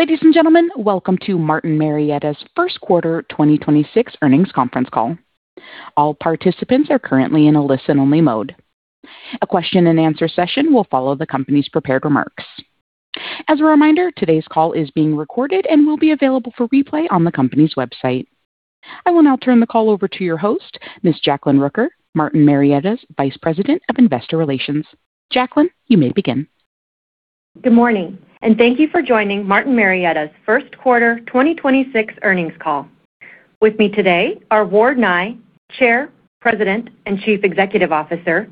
Ladies and gentlemen, welcome to Martin Marietta's first quarter 2026 earnings conference call. All participants are currently in a listen-only mode. A question-and-answer session will follow the company's prepared remarks. As a reminder, today's call is being recorded and will be available for replay on the company's website. I will now turn the call over to your host, Ms. Jacklyn Rooker, Martin Marietta's Vice President of Investor Relations. Jacklyn, you may begin. Good morning, and thank you for joining Martin Marietta's first quarter 2026 earnings call. With me today are Ward Nye, Chair, President, and Chief Executive Officer,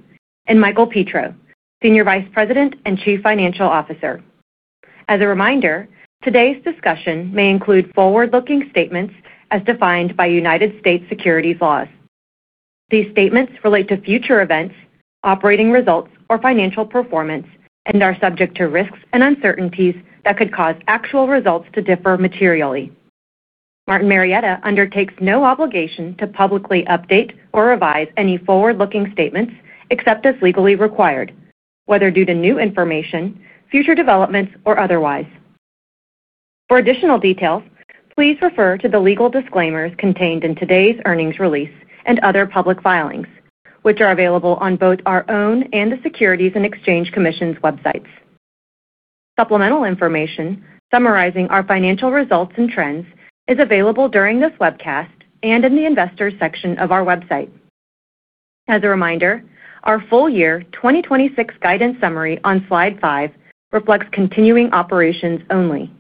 and Michael Petro, Senior Vice President and Chief Financial Officer. As a reminder, today's discussion may include forward-looking statements as defined by U.S. securities laws. These statements relate to future events, operating results, or financial performance and are subject to risks and uncertainties that could cause actual results to differ materially. Martin Marietta undertakes no obligation to publicly update or revise any forward-looking statements, except as legally required, whether due to new information, future developments, or otherwise. For additional details, please refer to the legal disclaimers contained in today's earnings release and other public filings, which are available on both our own and the Securities and Exchange Commission's websites. Supplemental information summarizing our financial results and trends is available during this webcast and in the Investors section of our website. As a reminder, our full year 2026 guidance summary on slide five reflects continuing operations only.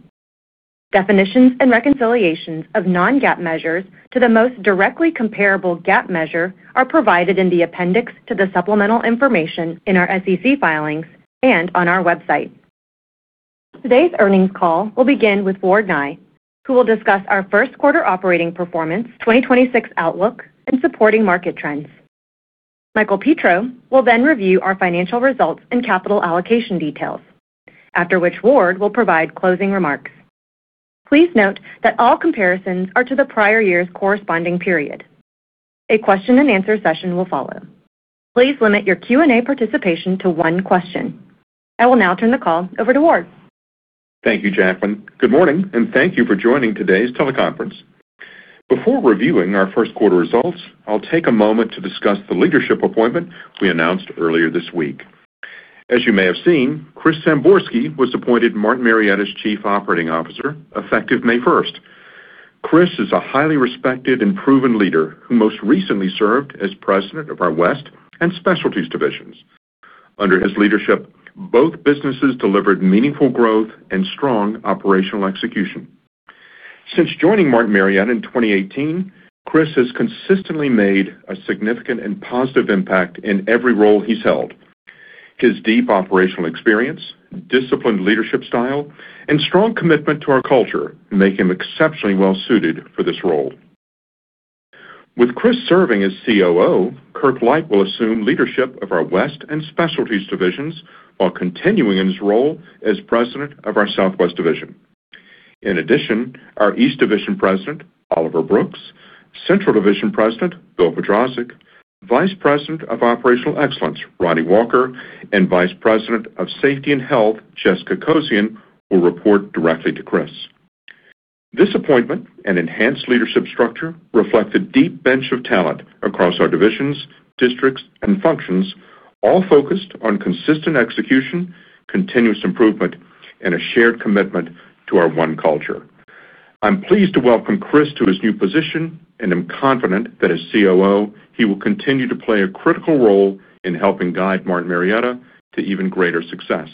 Definitions and reconciliations of non-GAAP measures to the most directly comparable GAAP measure are provided in the appendix to the supplemental information in our SEC filings and on our website. Today's earnings call will begin with Ward Nye, who will discuss our first quarter operating performance, 2026 outlook, and supporting market trends. Michael Petro will then review our financial results and capital allocation details, after which Ward will provide closing remarks. Please note that all comparisons are to the prior year's corresponding period. A question-and-answer session will follow. Please limit your Q&A participation to one question. I will now turn the call over to Ward. Thank you, Jacklyn. Good morning, and thank you for joining today's teleconference. Before reviewing our first quarter results, I'll take a moment to discuss the leadership appointment we announced earlier this week. As you may have seen, Chris Samborski was appointed Martin Marietta's Chief Operating Officer effective May 1st. Chris is a highly respected and proven leader who most recently served as President of our West and Specialties divisions. Under his leadership, both businesses delivered meaningful growth and strong operational execution. Since joining Martin Marietta in 2018, Chris has consistently made a significant and positive impact in every role he's held. His deep operational experience, disciplined leadership style, and strong commitment to our culture make him exceptionally well suited for this role. With Chris serving as COO, Kirk Light will assume leadership of our West and Specialties divisions while continuing in his role as President of our Southwest Division. Our East Division President, Oliver Brooks, Central Division President, Bill Podrazik, Vice President of Operational Excellence, Ronnie Walker, and Vice President of Safety and Health, Jessica Coscia, will report directly to Chris. This appointment and enhanced leadership structure reflect a deep bench of talent across our divisions, districts, and functions, all focused on consistent execution, continuous improvement, and a shared commitment to our one culture. I'm pleased to welcome Chris to his new position and am confident that as COO, he will continue to play a critical role in helping guide Martin Marietta to even greater success.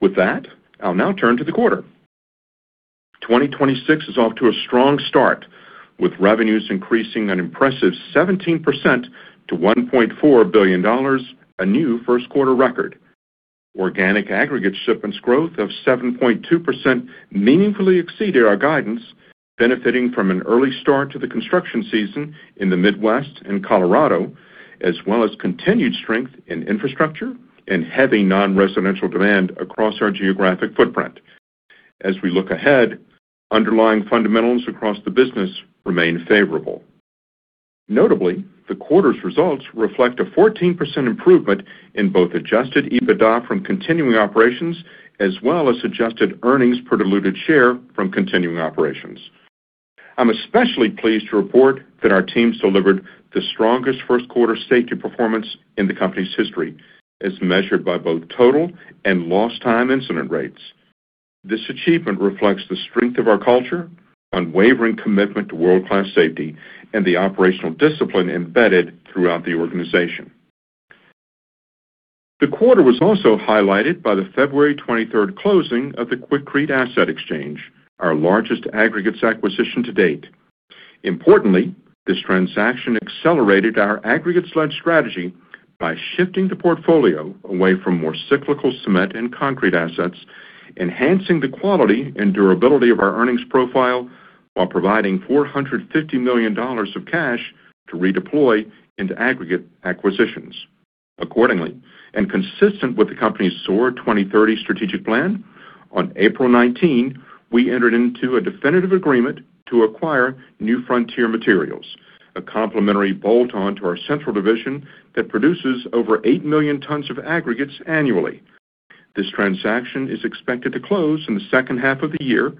With that, I'll now turn to the quarter. 2026 is off to a strong start, with revenues increasing an impressive 17% to $1.4 billion, a new first quarter record. Organic aggregate shipments growth of 7.2% meaningfully exceeded our guidance, benefiting from an early start to the construction season in the Midwest and Colorado, as well as continued strength in infrastructure and heavy non-residential demand across our geographic footprint. As we look ahead, underlying fundamentals across the business remain favorable. Notably, the quarter's results reflect a 14% improvement in both adjusted EBITDA from continuing operations as well as adjusted earnings per diluted share from continuing operations. I'm especially pleased to report that our team's delivered the strongest first quarter safety performance in the company's history, as measured by both total and lost time incident rates. This achievement reflects the strength of our culture, unwavering commitment to world-class safety, and the operational discipline embedded throughout the organization. The quarter was also highlighted by the February 23rd closing of the Quikrete asset exchange, our largest aggregates acquisition to date. Importantly, this transaction accelerated our aggregates-led strategy by shifting the portfolio away from more cyclical cement and concrete assets, enhancing the quality and durability of our earnings profile while providing $450 million of cash to redeploy into aggregate acquisitions. Accordingly, and consistent with the company's SOAR 2030 strategic plan, on April 19, we entered into a definitive agreement to acquire New Frontier Materials, a complementary bolt-on to our Central Division that produces over 8 million tons of aggregates annually. This transaction is expected to close in the second half of the year,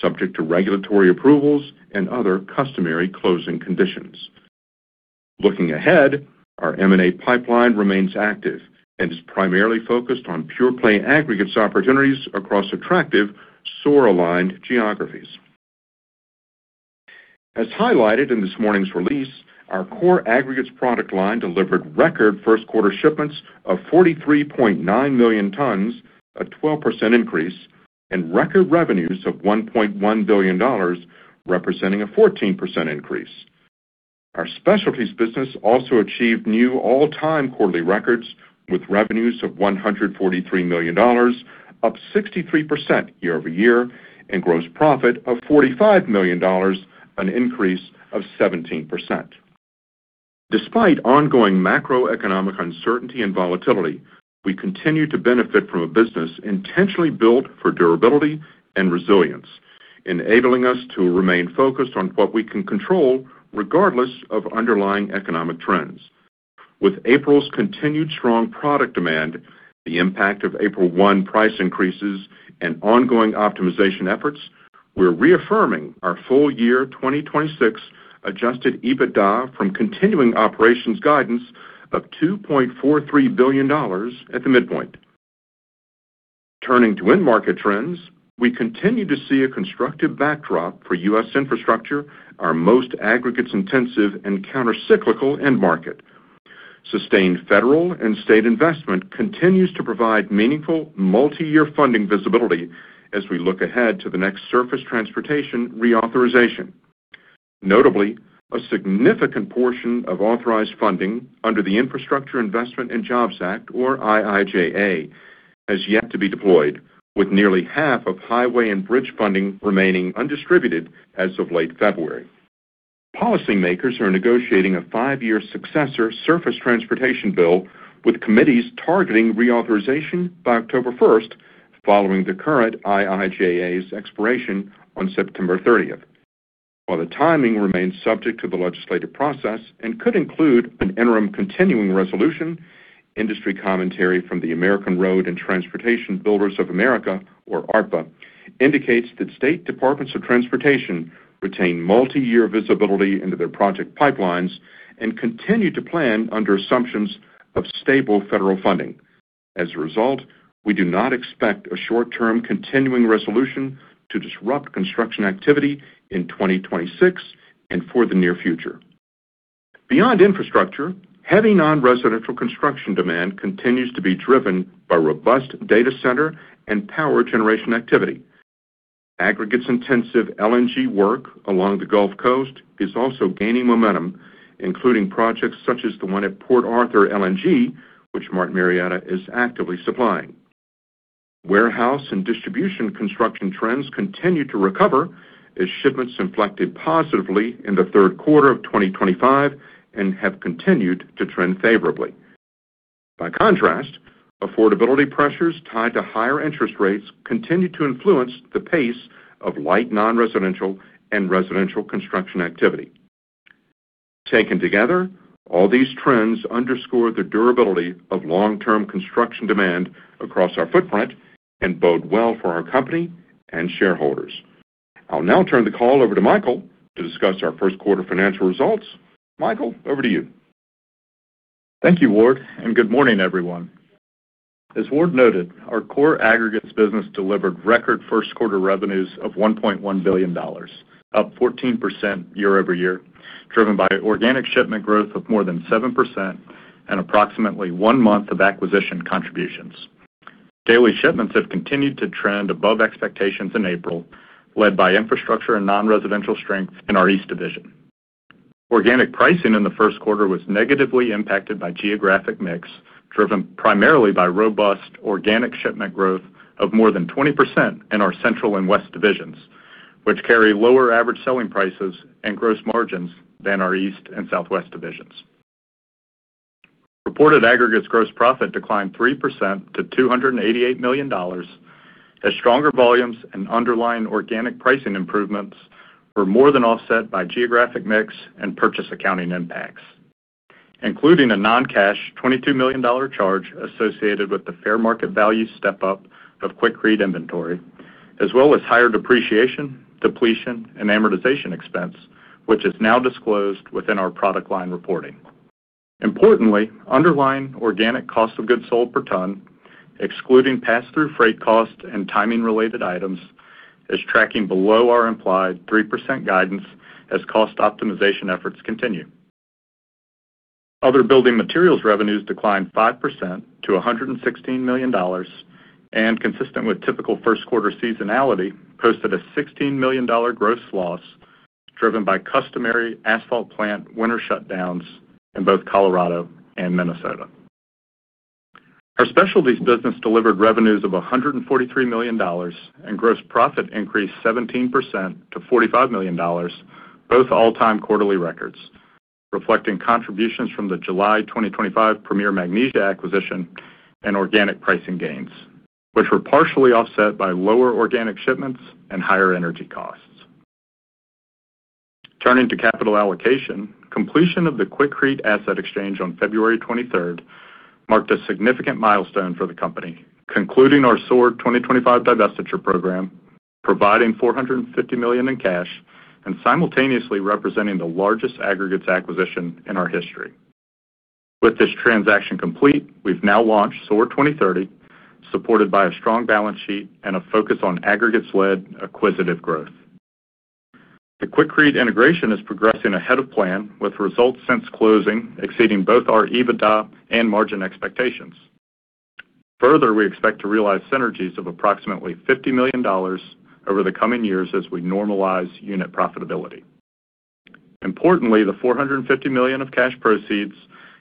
subject to regulatory approvals and other customary closing conditions. Looking ahead, our M&A pipeline remains active and is primarily focused on pure-play aggregates opportunities across attractive SOAR-aligned geographies. As highlighted in this morning's release, our core aggregates product line delivered record first quarter shipments of 43.9 million tons, a 12% increase, and record revenues of $1.1 billion, representing a 14% increase. Our Specialties business also achieved new all-time quarterly records with revenues of $143 million, up 63% year-over-year, and gross profit of $45 million, an increase of 17%. Despite ongoing macroeconomic uncertainty and volatility, we continue to benefit from a business intentionally built for durability and resilience, enabling us to remain focused on what we can control regardless of underlying economic trends. With April's continued strong product demand, the impact of April 1 price increases, and ongoing optimization efforts, we're reaffirming our full year 2026 adjusted EBITDA from continuing operations guidance of $2.43 billion at the midpoint. Turning to end market trends, we continue to see a constructive backdrop for U.S. infrastructure, our most aggregates intensive and counter-cyclical end market. Sustained federal and state investment continues to provide meaningful multi-year funding visibility as we look ahead to the next surface transportation reauthorization. Notably, a significant portion of authorized funding under the Infrastructure Investment and Jobs Act, or IIJA, has yet to be deployed, with nearly half of highway and bridge funding remaining undistributed as of late February. Policy makers are negotiating a five-year successor surface transportation bill with committees targeting reauthorization by October 1st following the current IIJA's expiration on September 30th. While the timing remains subject to the legislative process and could include an interim continuing resolution, industry commentary from the American Road & Transportation Builders Association, or ARTBA, indicates that state departments of transportation retain multi-year visibility into their project pipelines and continue to plan under assumptions of stable federal funding. As a result, we do not expect a short-term continuing resolution to disrupt construction activity in 2026 and for the near future. Beyond infrastructure, heavy non-residential construction demand continues to be driven by robust data center and power generation activity. aggregates intensive LNG work along the Gulf Coast is also gaining momentum, including projects such as the one at Port Arthur LNG, which Martin Marietta is actively supplying. Warehouse and distribution construction trends continue to recover as shipments inflected positively in the third quarter of 2025 and have continued to trend favorably. By contrast, affordability pressures tied to higher interest rates continue to influence the pace of light non-residential and residential construction activity. Taken together, all these trends underscore the durability of long-term construction demand across our footprint and bode well for our company and shareholders. I'll now turn the call over to Michael to discuss our first quarter financial results. Michael, over to you. Thank you, Ward, and good morning, everyone. As Ward noted, our core aggregates business delivered record first quarter revenues of $1.1 billion, up 14% year-over-year, driven by organic shipment growth of more than 7% and approximately one month of acquisition contributions. Daily shipments have continued to trend above expectations in April, led by infrastructure and non-residential strength in our East Division. Organic pricing in the first quarter was negatively impacted by geographic mix, driven primarily by robust organic shipment growth of more than 20% in our Central and West divisions, which carry lower average selling prices and gross margins than our East and Southwest divisions. Reported aggregates gross profit declined 3% to $288 million as stronger volumes and underlying organic pricing improvements were more than offset by geographic mix and purchase accounting impacts, including a non-cash $22 million charge associated with the fair market value step-up of Quikrete inventory, as well as higher depreciation, depletion, and amortization expense, which is now disclosed within our product line reporting. Importantly, underlying organic cost of goods sold per ton, excluding pass-through freight cost and timing related items, is tracking below our implied 3% guidance as cost optimization efforts continue. Other building materials revenues declined 5% to $116 million, and consistent with typical first quarter seasonality, posted a $16 million gross loss driven by customary Asphalt plant winter shutdowns in both Colorado and Minnesota. Our Specialties business delivered revenues of $143 million, and gross profit increased 17% to $45 million, both all-time quarterly records, reflecting contributions from the July 2025 Premier Magnesia acquisition and organic pricing gains, which were partially offset by lower organic shipments and higher energy costs. Turning to capital allocation, completion of the Quikrete asset exchange on February 23rd marked a significant milestone for the company, concluding our SOAR 2025 divestiture program, providing $450 million in cash, and simultaneously representing the largest aggregates acquisition in our history. With this transaction complete, we've now launched SOAR 2030, supported by a strong balance sheet and a focus on aggregates-led acquisitive growth. The Quikrete integration is progressing ahead of plan, with results since closing exceeding both our EBITDA and margin expectations. Further, we expect to realize synergies of approximately $50 million over the coming years as we normalize unit profitability. Importantly, the $450 million of cash proceeds,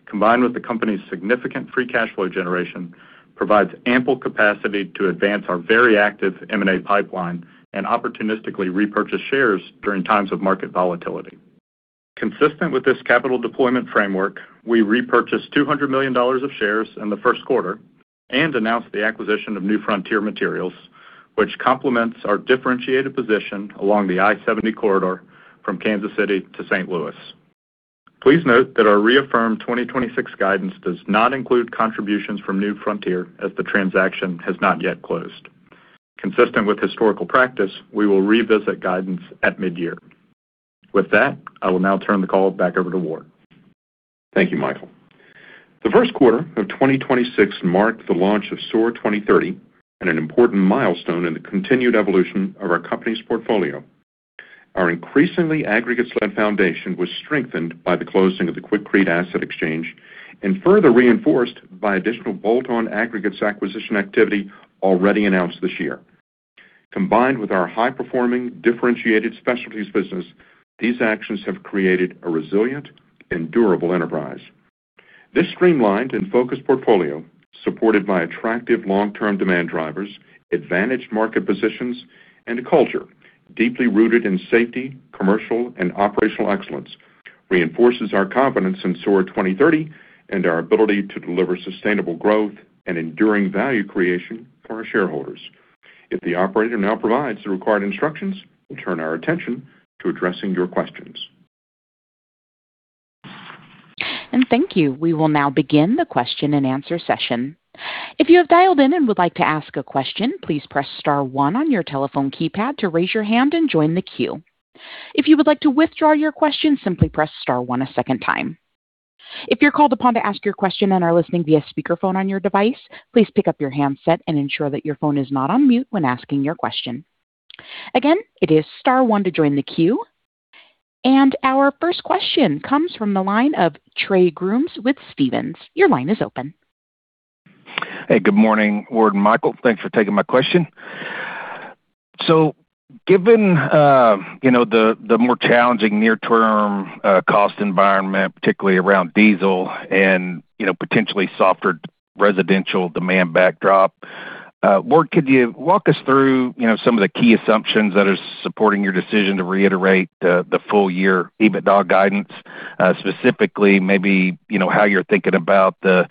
combined with the company's significant free cash flow generation, provides ample capacity to advance our very active M&A pipeline and opportunistically repurchase shares during times of market volatility. Consistent with this capital deployment framework, we repurchased $200 million of shares in the first quarter and announced the acquisition of New Frontier Materials, which complements our differentiated position along the I-70 corridor from Kansas City to St. Louis. Please note that our reaffirmed 2026 guidance does not include contributions from New Frontier as the transaction has not yet closed. Consistent with historical practice, we will revisit guidance at mid-year. With that, I will now turn the call back over to Ward. Thank you, Michael. The first quarter of 2026 marked the launch of SOAR 2030 and an important milestone in the continued evolution of our company's portfolio. Our increasingly aggregates-led foundation was strengthened by the closing of the Quikrete asset exchange and further reinforced by additional bolt-on aggregates acquisition activity already announced this year. Combined with our high-performing, differentiated Specialties business, these actions have created a resilient and durable enterprise. This streamlined and focused portfolio, supported by attractive long-term demand drivers, advantaged market positions, and a culture deeply rooted in safety, commercial, and operational excellence, reinforces our confidence in SOAR 2030 and our ability to deliver sustainable growth and enduring value creation for our shareholders. If the operator now provides the required instructions, we'll turn our attention to addressing your questions. Thank you. We will now begin the question-and-answer session. If you have dialed in and would like to ask a question, please press star one on your telephone keypad to raise your hand and join the queue. If you would like to withdraw your question, simply press star one a second time. If you're called upon to ask your question and are listening via speakerphone on your device, please pick up your handset and ensure that your phone is not on mute when asking your question. Again, it is star one to join the queue. Our first question comes from the line of Trey Grooms with Stephens. Your line is open. Hey, good morning, Ward and Michael. Thanks for taking my question. Given, you know, the more challenging near-term cost environment, particularly around diesel and, you know, potentially softer residential demand backdrop, Ward, could you walk us through, you know, some of the key assumptions that are supporting your decision to reiterate the full year EBITDA guidance? Specifically maybe, you know, how you're thinking about the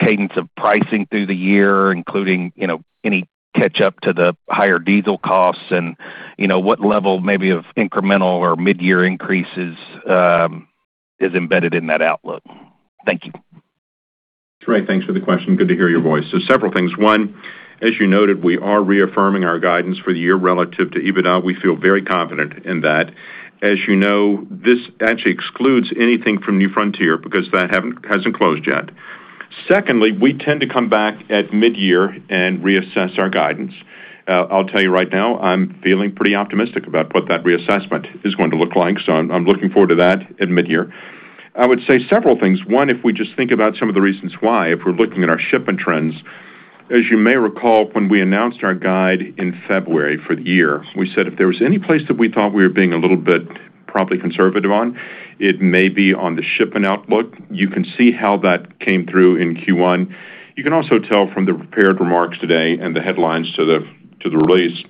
cadence of pricing through the year, including, you know, any catch-up to the higher diesel costs and, you know, what level maybe of incremental or mid-year increases is embedded in that outlook? Thank you. Trey, thanks for the question. Good to hear your voice. Several things. One, as you noted, we are reaffirming our guidance for the year relative to EBITDA. We feel very confident in that. As you know, this actually excludes anything from New Frontier because that hasn't closed yet. Secondly, we tend to come back at mid-year and reassess our guidance. I'll tell you right now, I'm feeling pretty optimistic about what that reassessment is going to look like, so I'm looking forward to that at mid-year. I would say several things. One, if we just think about some of the reasons why, if we're looking at our shipment trends, as you may recall, when we announced our guide in February for the year, we said if there was any place that we thought we were being a little bit probably conservative on, it may be on the shipment outlook. You can see how that came through in Q1. You can also tell from the prepared remarks today and the headlines to the release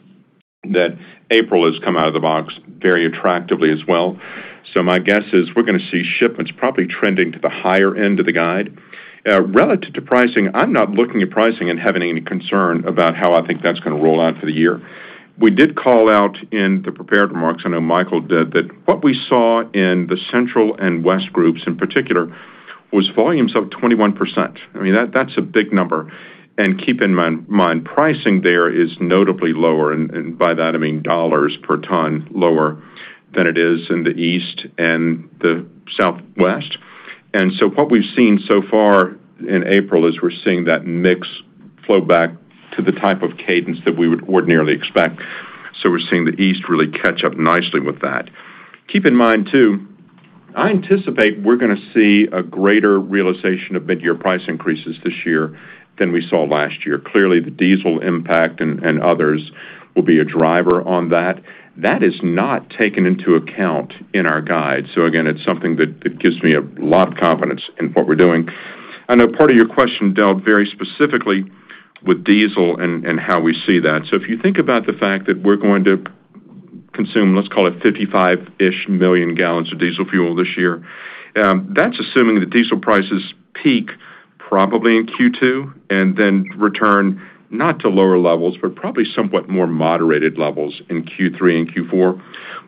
that April has come out of the box very attractively as well. My guess is we're gonna see shipments probably trending to the higher end of the guide. Relative to pricing, I'm not looking at pricing and having any concern about how I think that's gonna roll out for the year. We did call out in the prepared remarks, I know Michael did, that what we saw in the Central and West groups in particular was volumes up 21%. I mean, that's a big number. Keep in mind, pricing there is notably lower, and by that I mean dollars per ton lower than it is in the East and the Southwest. What we've seen so far in April is we're seeing that mix flow back to the type of cadence that we would ordinarily expect. We're seeing the East really catch up nicely with that. Keep in mind too, I anticipate we're gonna see a greater realization of mid-year price increases this year than we saw last year. Clearly, the diesel impact and others will be a driver on that. That is not taken into account in our guide. Again, it's something that gives me a lot of confidence in what we're doing. I know part of your question dealt very specifically with diesel and how we see that. If you think about the fact that we're going to consume, let's call it 55-ish million gallons of diesel fuel this year. That's assuming the diesel prices peak probably in Q2, and then return not to lower levels, but probably somewhat more moderated levels in Q3 and Q4.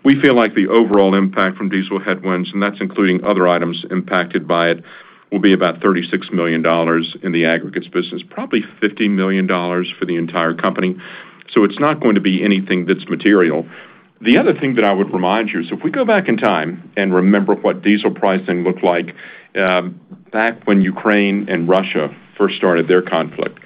We feel like the overall impact from diesel headwinds, and that's including other items impacted by it, will be about $36 million in the aggregates business, probably $50 million for the entire company. It's not going to be anything that's material. The other thing that I would remind you is if we go back in time and remember what diesel pricing looked like, back when Ukraine and Russia first started their conflict.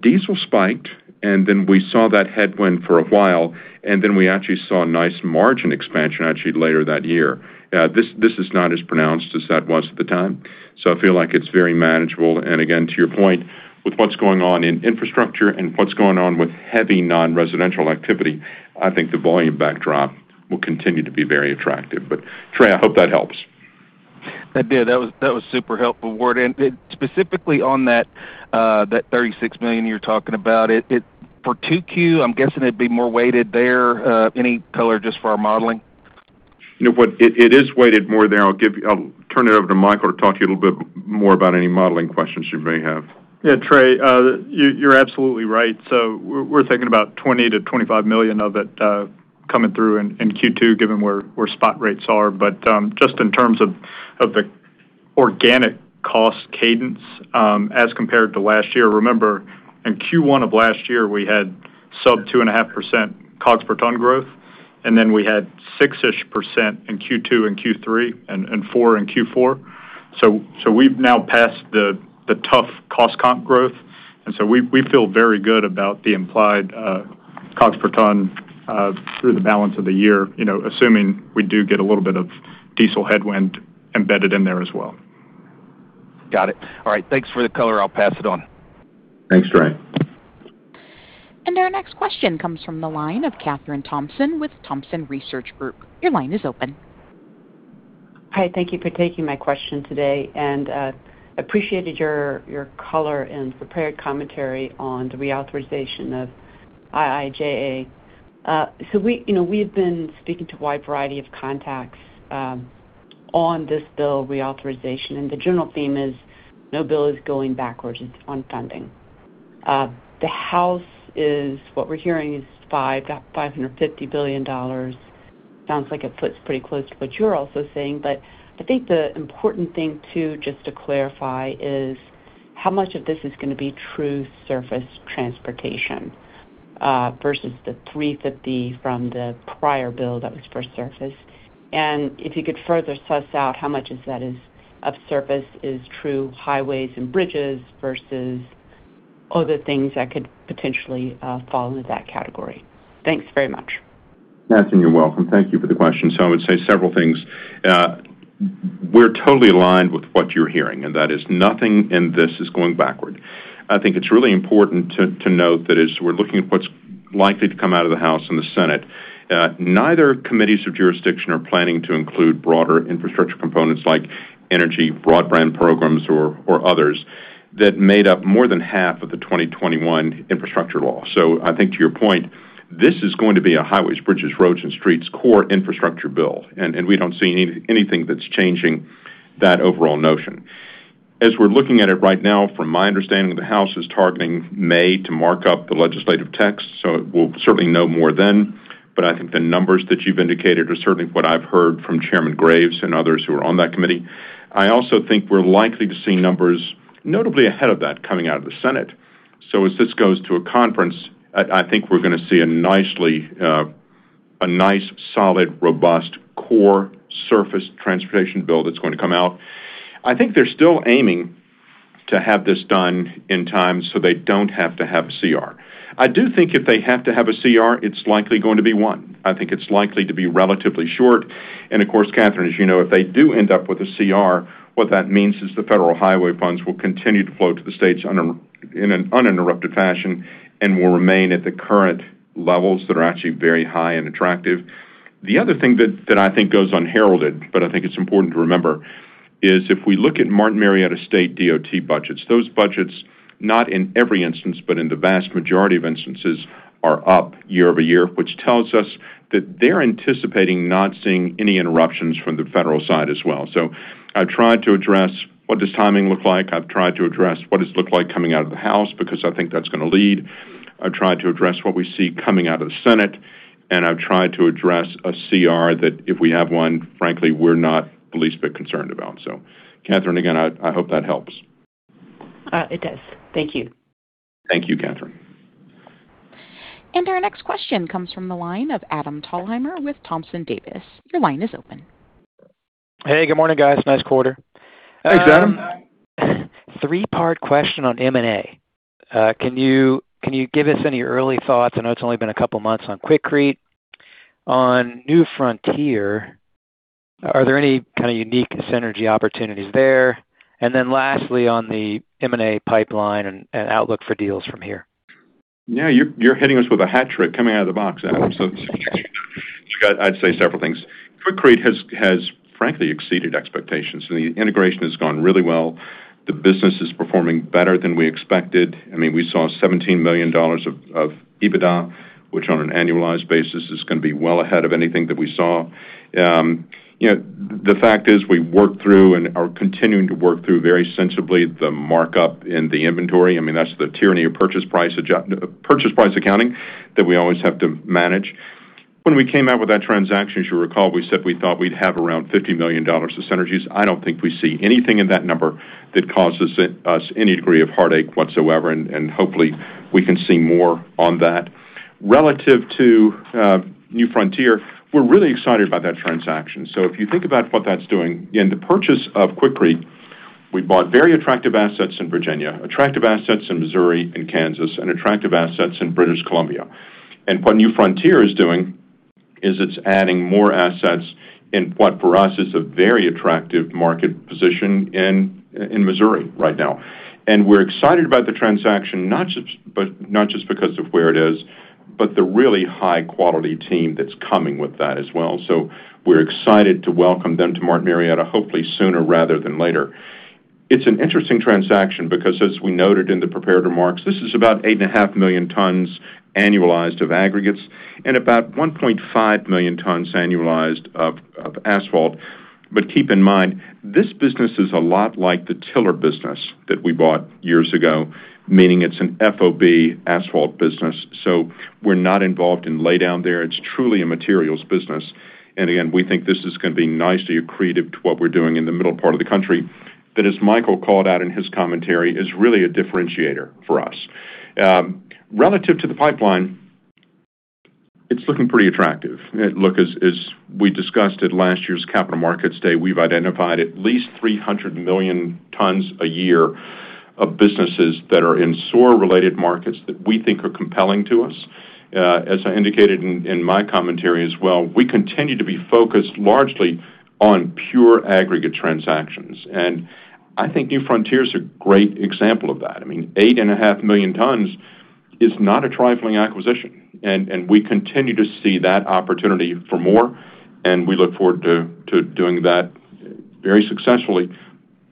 Diesel spiked, and then we saw that headwind for a while, and then we actually saw a nice margin expansion actually later that year. This is not as pronounced as that was at the time, so I feel like it's very manageable. Again, to your point, with what's going on in infrastructure and what's going on with heavy non-residential activity, I think the volume backdrop will continue to be very attractive. Trey, I hope that helps. That did. That was super helpful, Ward. Specifically on that $36 million you're talking about, it for 2Q, I'm guessing it'd be more weighted there. Any color just for our modeling? You know what? It, it is weighted more there. I'll turn it over to Michael to talk to you a little bit more about any modeling questions you may have. Yeah, Trey, you're absolutely right. We're thinking about $20 million-$25 million of it coming through in Q2, given where spot rates are. Just in terms of the organic cost cadence as compared to last year. Remember, in Q1 of last year, we had sub 2.5% COGS per ton growth, and then we had 6%-ish in Q2 and Q3 and 4% in Q4. We've now passed the tough cost comp growth, we feel very good about the implied COGS per ton through the balance of the year, you know, assuming we do get a little bit of diesel headwind embedded in there as well. Got it. All right. Thanks for the color. I'll pass it on. Thanks, Trey. Our next question comes from the line of Kathryn Thompson with Thompson Research Group. Your line is open. Hi. Thank you for taking my question today, appreciated your color and prepared commentary on the reauthorization of IIJA. We, you know, we've been speaking to a wide variety of contacts on this bill reauthorization, the general theme is no bill is going backwards. It's on funding. The House what we're hearing is $550 billion. Sounds like it fits pretty close to what you're also saying. I think the important thing, too, just to clarify, is how much of this is gonna be true surface transportation versus the $350 billion from the prior bill that was for surface. If you could further suss out how much of that is of surface is true highways and bridges versus other things that could potentially fall into that category. Thanks very much. Kathryn, you're welcome. Thank you for the question. I would say several things. We're totally aligned with what you're hearing, and that is nothing in this is going backward. I think it's really important to note that as we're looking at what's likely to come out of the House and the Senate, neither committees of jurisdiction are planning to include broader infrastructure components like energy, broadband programs or others that made up more than half of the 2021 infrastructure law. I think to your point, this is going to be a highways, bridges, roads and streets core infrastructure bill, and we don't see anything that's changing that overall notion. As we're looking at it right now, from my understanding, the House is targeting May to mark up the legislative text, we'll certainly know more then. I think the numbers that you've indicated are certainly what I've heard from Chairman Graves and others who are on that committee. I also think we're likely to see numbers notably ahead of that coming out of the Senate. As this goes to a conference, I think we're gonna see a nicely, a nice, solid, robust core surface transportation bill that's going to come out. I think they're still aiming to have this done in time so they don't have to have CR. I do think if they have to have a CR, it's likely going to be one. I think it's likely to be relatively short. Of course, Kathryn, as you know, if they do end up with a CR, what that means is the federal highway funds will continue to flow to the states under in an uninterrupted fashion and will remain at the current levels that are actually very high and attractive. The other thing that I think goes unheralded, but I think it's important to remember, is if we look at Martin Marietta state DOT budgets, those budgets, not in every instance, but in the vast majority of instances, are up year-over-year, which tells us that they're anticipating not seeing any interruptions from the federal side as well. I've tried to address what does timing look like? I've tried to address what does it look like coming out of the House because I think that's gonna lead? I've tried to address what we see coming out of the Senate, and I've tried to address a CR that if we have one, frankly, we're not the least bit concerned about. Kathryn, again, I hope that helps. It does. Thank you. Thank you, Kathryn. Our next question comes from the line of Adam Thalhimer with Thompson Davis. Hey, good morning, guys. Nice quarter. Thanks, Adam. Three-part question on M&A. Can you give us any early thoughts? I know it's only been a couple of months on Quikrete. On New Frontier, are there any kind of unique synergy opportunities there? Lastly, on the M&A pipeline and outlook for deals from here. Yeah, you're hitting us with a hat trick coming out of the box, Adam, so I'd say several things. Quikrete has frankly exceeded expectations. The integration has gone really well. The business is performing better than we expected. I mean, we saw $17 million of EBITDA, which on an annualized basis is gonna be well ahead of anything that we saw. You know, the fact is we worked through and are continuing to work through very sensibly the markup in the inventory. I mean, that's the tyranny of purchase price accounting that we always have to manage. When we came out with that transaction, as you recall, we said we thought we'd have around $50 million of synergies. I don't think we see anything in that number that causes us any degree of heartache whatsoever, and hopefully we can see more on that. Relative to New Frontier, we're really excited about that transaction. If you think about what that's doing, in the purchase of Quikrete, we bought very attractive assets in Virginia, attractive assets in Missouri and Kansas, and attractive assets in British Columbia. What New Frontier is doing is it's adding more assets in what for us is a very attractive market position in Missouri right now. We're excited about the transaction not just because of where it is, but the really high quality team that's coming with that as well. We're excited to welcome them to Martin Marietta, hopefully sooner rather than later. It's an interesting transaction because as we noted in the prepared remarks, this is about 8.5 million tons annualized of aggregates and about 1.5 million tons annualized of asphalt. Keep in mind, this business is a lot like the Tiller business that we bought years ago, meaning it's an FOB asphalt business, so we're not involved in laydown there. It's truly a materials business. Again, we think this is gonna be nicely accretive to what we're doing in the middle part of the country that, as Michael called out in his commentary, is really a differentiator for us. Relative to the pipeline, it's looking pretty attractive. Look, as we discussed at last year's Capital Markets Day, we've identified at least 300 million tons a year of businesses that are in SOAR-related markets that we think are compelling to us. As I indicated in my commentary as well, we continue to be focused largely on pure aggregate transactions, and I think New Frontier is a great example of that. I mean, 8.5 million tons is not a trifling acquisition, and we continue to see that opportunity for more, and we look forward to doing that very successfully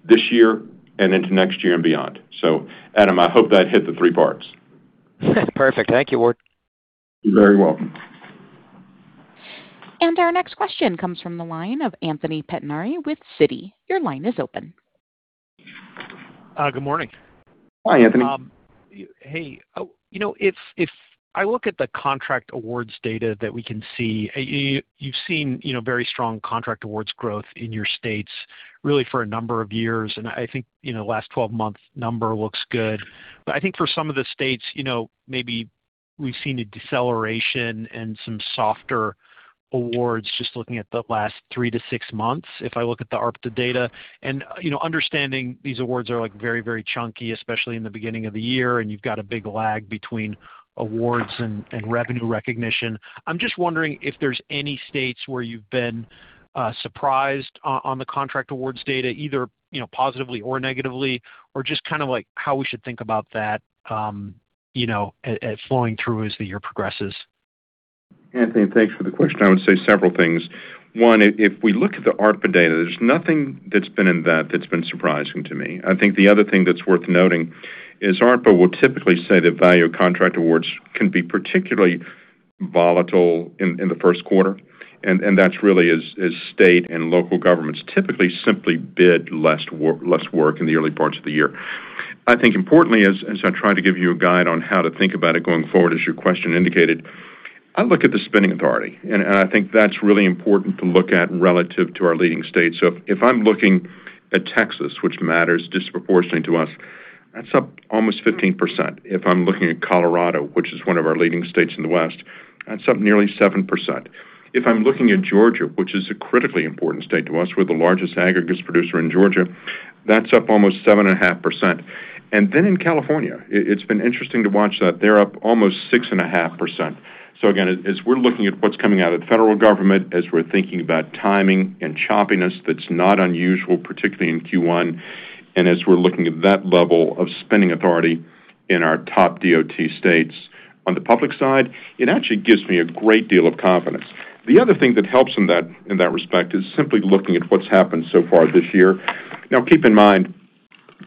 this year and into next year and beyond. Adam, I hope that hit the three parts. Perfect. Thank you, Ward. You're very welcome. Our next question comes from the line of Anthony Pettinari with Citi. Your line is open. Good morning. Hi, Anthony. You know, if I look at the contract awards data that we can see, you've seen, you know, very strong contract awards growth in your states really for a number of years, and I think, you know, last 12-month number looks good. I think for some of the states, you know, maybe we've seen a deceleration and some softer awards just looking at the last 3-6 months if I look at the ARTBA data. You know, understanding these awards are, like, very, very chunky, especially in the beginning of the year, and you've got a big lag between awards and revenue recognition. I'm just wondering if there's any states where you've been surprised on the contract awards data, either, you know, positively or negatively, or just kind of, like, how we should think about that, you know, as flowing through as the year progresses? Anthony, thanks for the question. I would say several things. One, if we look at the ARTBA data, there's nothing that's been in that that's been surprising to me. I think the other thing that's worth noting is ARTBA will typically say that value of contract awards can be particularly volatile in the first quarter, and that's really is state and local governments typically simply bid less work in the early parts of the year. I think importantly as I try to give you a guide on how to think about it going forward as your question indicated, I look at the spending authority, and I think that's really important to look at relative to our leading states. If I'm looking at Texas, which matters disproportionately to us, that's up almost 15%. If I'm looking at Colorado, which is one of our leading states in the West, that's up nearly 7%. If I'm looking at Georgia, which is a critically important state to us, we're the largest aggregates producer in Georgia, that's up almost 7.5%. In California, it's been interesting to watch that they're up almost 6.5%. Again, as we're looking at what's coming out of the federal government, as we're thinking about timing and choppiness, that's not unusual, particularly in Q1, and as we're looking at that level of spending authority in our top DOT states. On the public side, it actually gives me a great deal of confidence. The other thing that helps in that respect is simply looking at what's happened so far this year. Now keep in mind,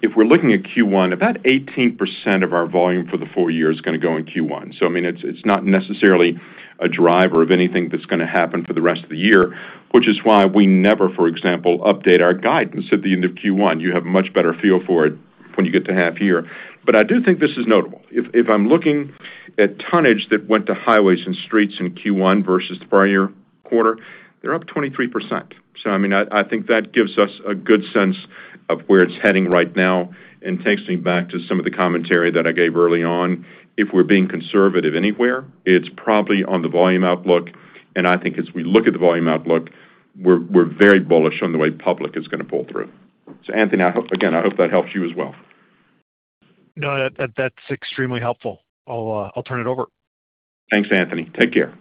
if we're looking at Q1, about 18% of our volume for the full year is gonna go in Q1. I mean, it's not necessarily a driver of anything that's gonna happen for the rest of the year, which is why we never, for example, update our guidance at the end of Q1. You have a much better feel for it when you get to half year. I do think this is notable. If, if I'm looking at tonnage that went to highways and streets in Q1 versus the prior year quarter, they're up 23%. I mean, I think that gives us a good sense of where it's heading right now and takes me back to some of the commentary that I gave early on. If we're being conservative anywhere, it's probably on the volume outlook, and I think as we look at the volume outlook, we're very bullish on the way public is gonna pull through. Anthony, I hope again, I hope that helps you as well. No, that's extremely helpful. I'll turn it over. Thanks, Anthony. Take care.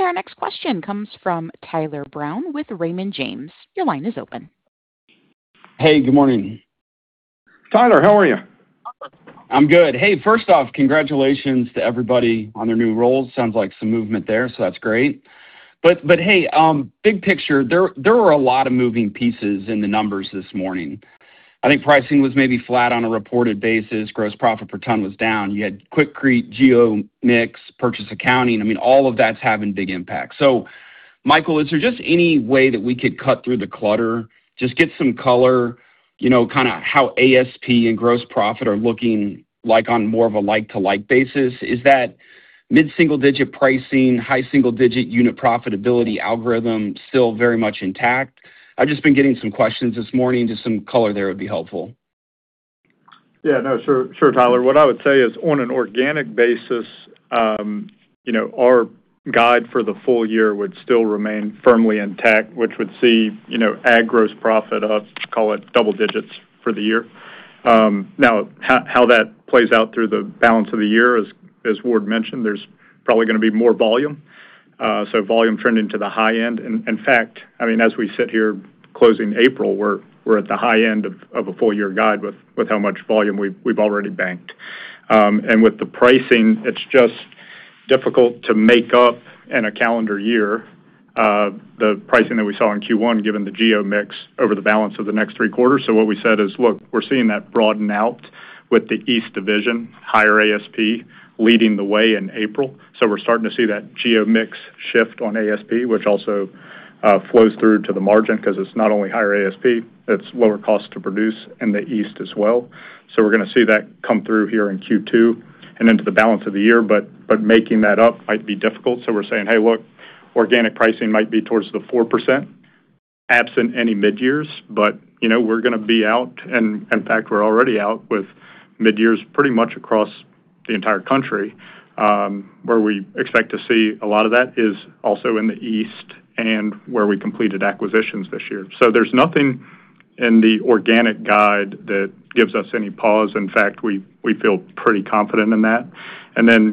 Our next question comes from Tyler Brown with Raymond James. Your line is open. Hey, good morning. Tyler, how are you? I'm good. First off, congratulations to everybody on their new roles. Sounds like some movement there. That's great. Hey, big picture, there are a lot of moving pieces in the numbers this morning. I think pricing was maybe flat on a reported basis. Gross profit per ton was down. You had Quikrete, geo-mix, purchase accounting. I mean, all of that's having big impact. Michael, is there just any way that we could cut through the clutter, just get some color, you know, kinda how ASP and gross profit are looking like on more of a like-to-like basis? Is that mid-single-digit pricing, high-single-digit unit profitability algorithm still very much intact? I've just been getting some questions this morning, just some color there would be helpful. Yeah, no, sure, Tyler. What I would say is on an organic basis, you know, our guide for the full year would still remain firmly intact, which would see, you know, ag gross profit of, call it, double digits for the year. Now how that plays out through the balance of the year, as Ward mentioned, there's probably gonna be more volume. Volume trending to the high end. In fact, I mean, as we sit here closing April, we're at the high end of a full year guide with how much volume we've already banked. And with the pricing, it's just difficult to make up in a calendar year, the pricing that we saw in Q1 given the geo mix over the balance of the next three quarters. What we said is, look, we're seeing that broaden out with the East Division, higher ASP leading the way in April. We're starting to see that geo mix shift on ASP, which also flows through to the margin 'cause it's not only higher ASP, it's lower cost to produce in the East as well. We're gonna see that come through here in Q2 and into the balance of the year, but making that up might be difficult. We're saying, "Hey, look, organic pricing might be towards the 4%, absent any mid-years." You know, we're gonna be out, and in fact, we're already out with mid-years pretty much across the entire country, where we expect to see a lot of that is also in the East and where we completed acquisitions this year. There's nothing in the organic guide that gives us any pause. In fact, we feel pretty confident in that.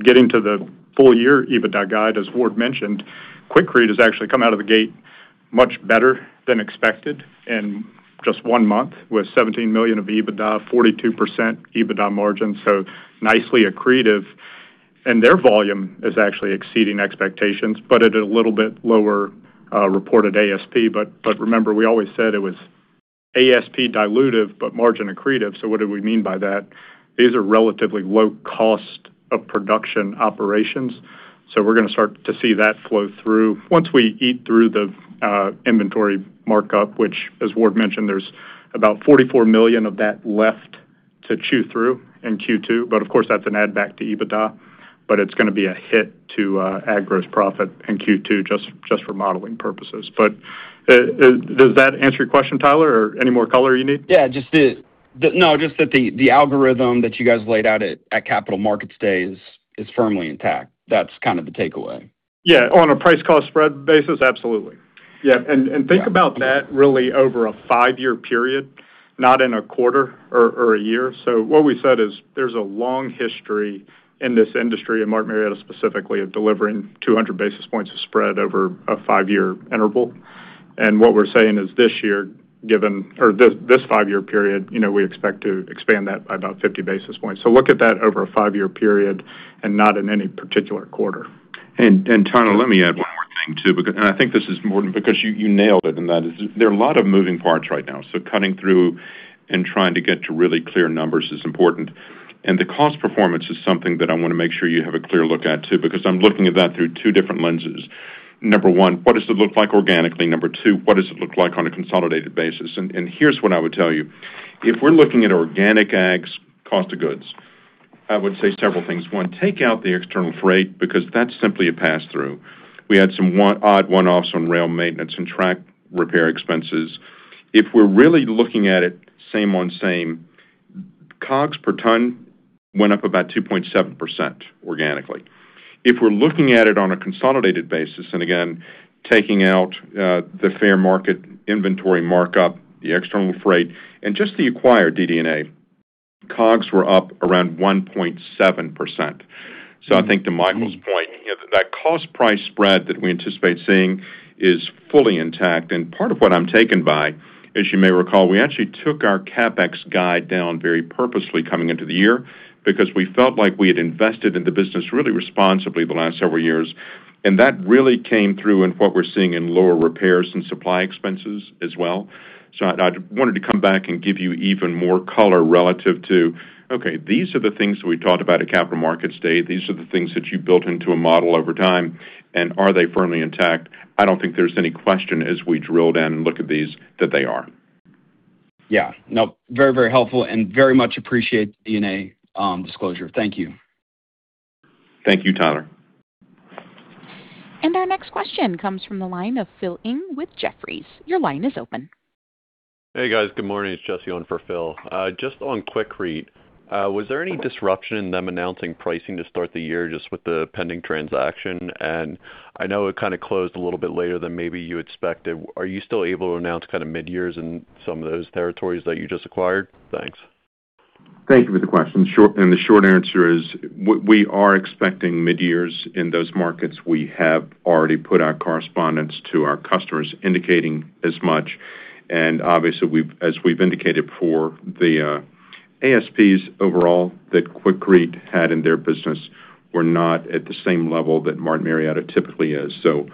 Getting to the full year EBITDA guide, as Ward mentioned, Quikrete has actually come out of the gate much better than expected in just one month with $17 million of EBITDA, 42% EBITDA margin, so nicely accretive. Their volume is actually exceeding expectations, but at a little bit lower reported ASP. Remember, we always said it was ASP dilutive, but margin accretive. What do we mean by that? These are relatively low cost of production operations, so we're gonna start to see that flow through once we eat through the inventory markup, which, as Ward mentioned, there's about $44 million of that left to chew through in Q2. Of course, that's an add back to EBITDA, but it's gonna be a hit to ag gross profit in Q2 just for modeling purposes. Does that answer your question, Tyler, or any more color you need? Just that the algorithm that you guys laid out at Capital Markets Day is firmly intact. That's kind of the takeaway. Yeah. On a price call spread basis, absolutely. Yeah. Think about that really over a five-year period, not in a quarter or a year. What we said is there's a long history in this industry, in Martin Marietta specifically, of delivering 200 basis points of spread over a five-year interval. What we're saying is this year or this five-year period, you know, we expect to expand that by about 50 basis points. Look at that over a five-year period and not in any particular quarter. Tyler, let me add one more thing too, because you nailed it, and that is there are a lot of moving parts right now. Cutting through and trying to get to really clear numbers is important. The cost performance is something that I wanna make sure you have a clear look at too because I'm looking at that through two different lenses. Number one, what does it look like organically? Number two, what does it look like on a consolidated basis? Here's what I would tell you. If we're looking at organic ag's cost of goods, I would say several things. One, take out the external freight because that's simply a pass-through. We had some odd one-offs on rail maintenance and track repair expenses. If we're really looking at it same on same, COGS per ton went up about 2.7% organically. If we're looking at it on a consolidated basis, and again, taking out the fair market inventory markup, the external freight, and just the acquired DD&A, COGS were up around 1.7%. I think to Michael's point, you know, that cost price spread that we anticipate seeing is fully intact. Part of what I'm taken by, as you may recall, we actually took our CapEx guide down very purposely coming into the year because we felt like we had invested in the business really responsibly the last several years, and that really came through in what we're seeing in lower repairs and supply expenses as well. I wanted to come back and give you even more color relative to, okay, these are the things we talked about at Capital Markets Day. These are the things that you built into a model over time. Are they firmly intact? I don't think there's any question as we drill down and look at these that they are. Yeah. Nope. Very, very helpful and very much appreciate the DD&A disclosure. Thank you. Thank you, Tyler. Our next question comes from the line of Phil Ng with Jefferies. Your line is open. Hey, guys. Good morning. It's Jesse on for Phil. Just on Quikrete, was there any disruption in them announcing pricing to start the year just with the pending transaction? I know it kinda closed a little bit later than maybe you expected. Are you still able to announce kinda mid-years in some of those territories that you just acquired? Thanks. Thank you for the question. The short answer is we are expecting mid-years in those markets. We have already put our correspondence to our customers indicating as much. Obviously, as we've indicated before, the ASPs overall that Quikrete had in their business were not at the same level that Martin Marietta typically is. You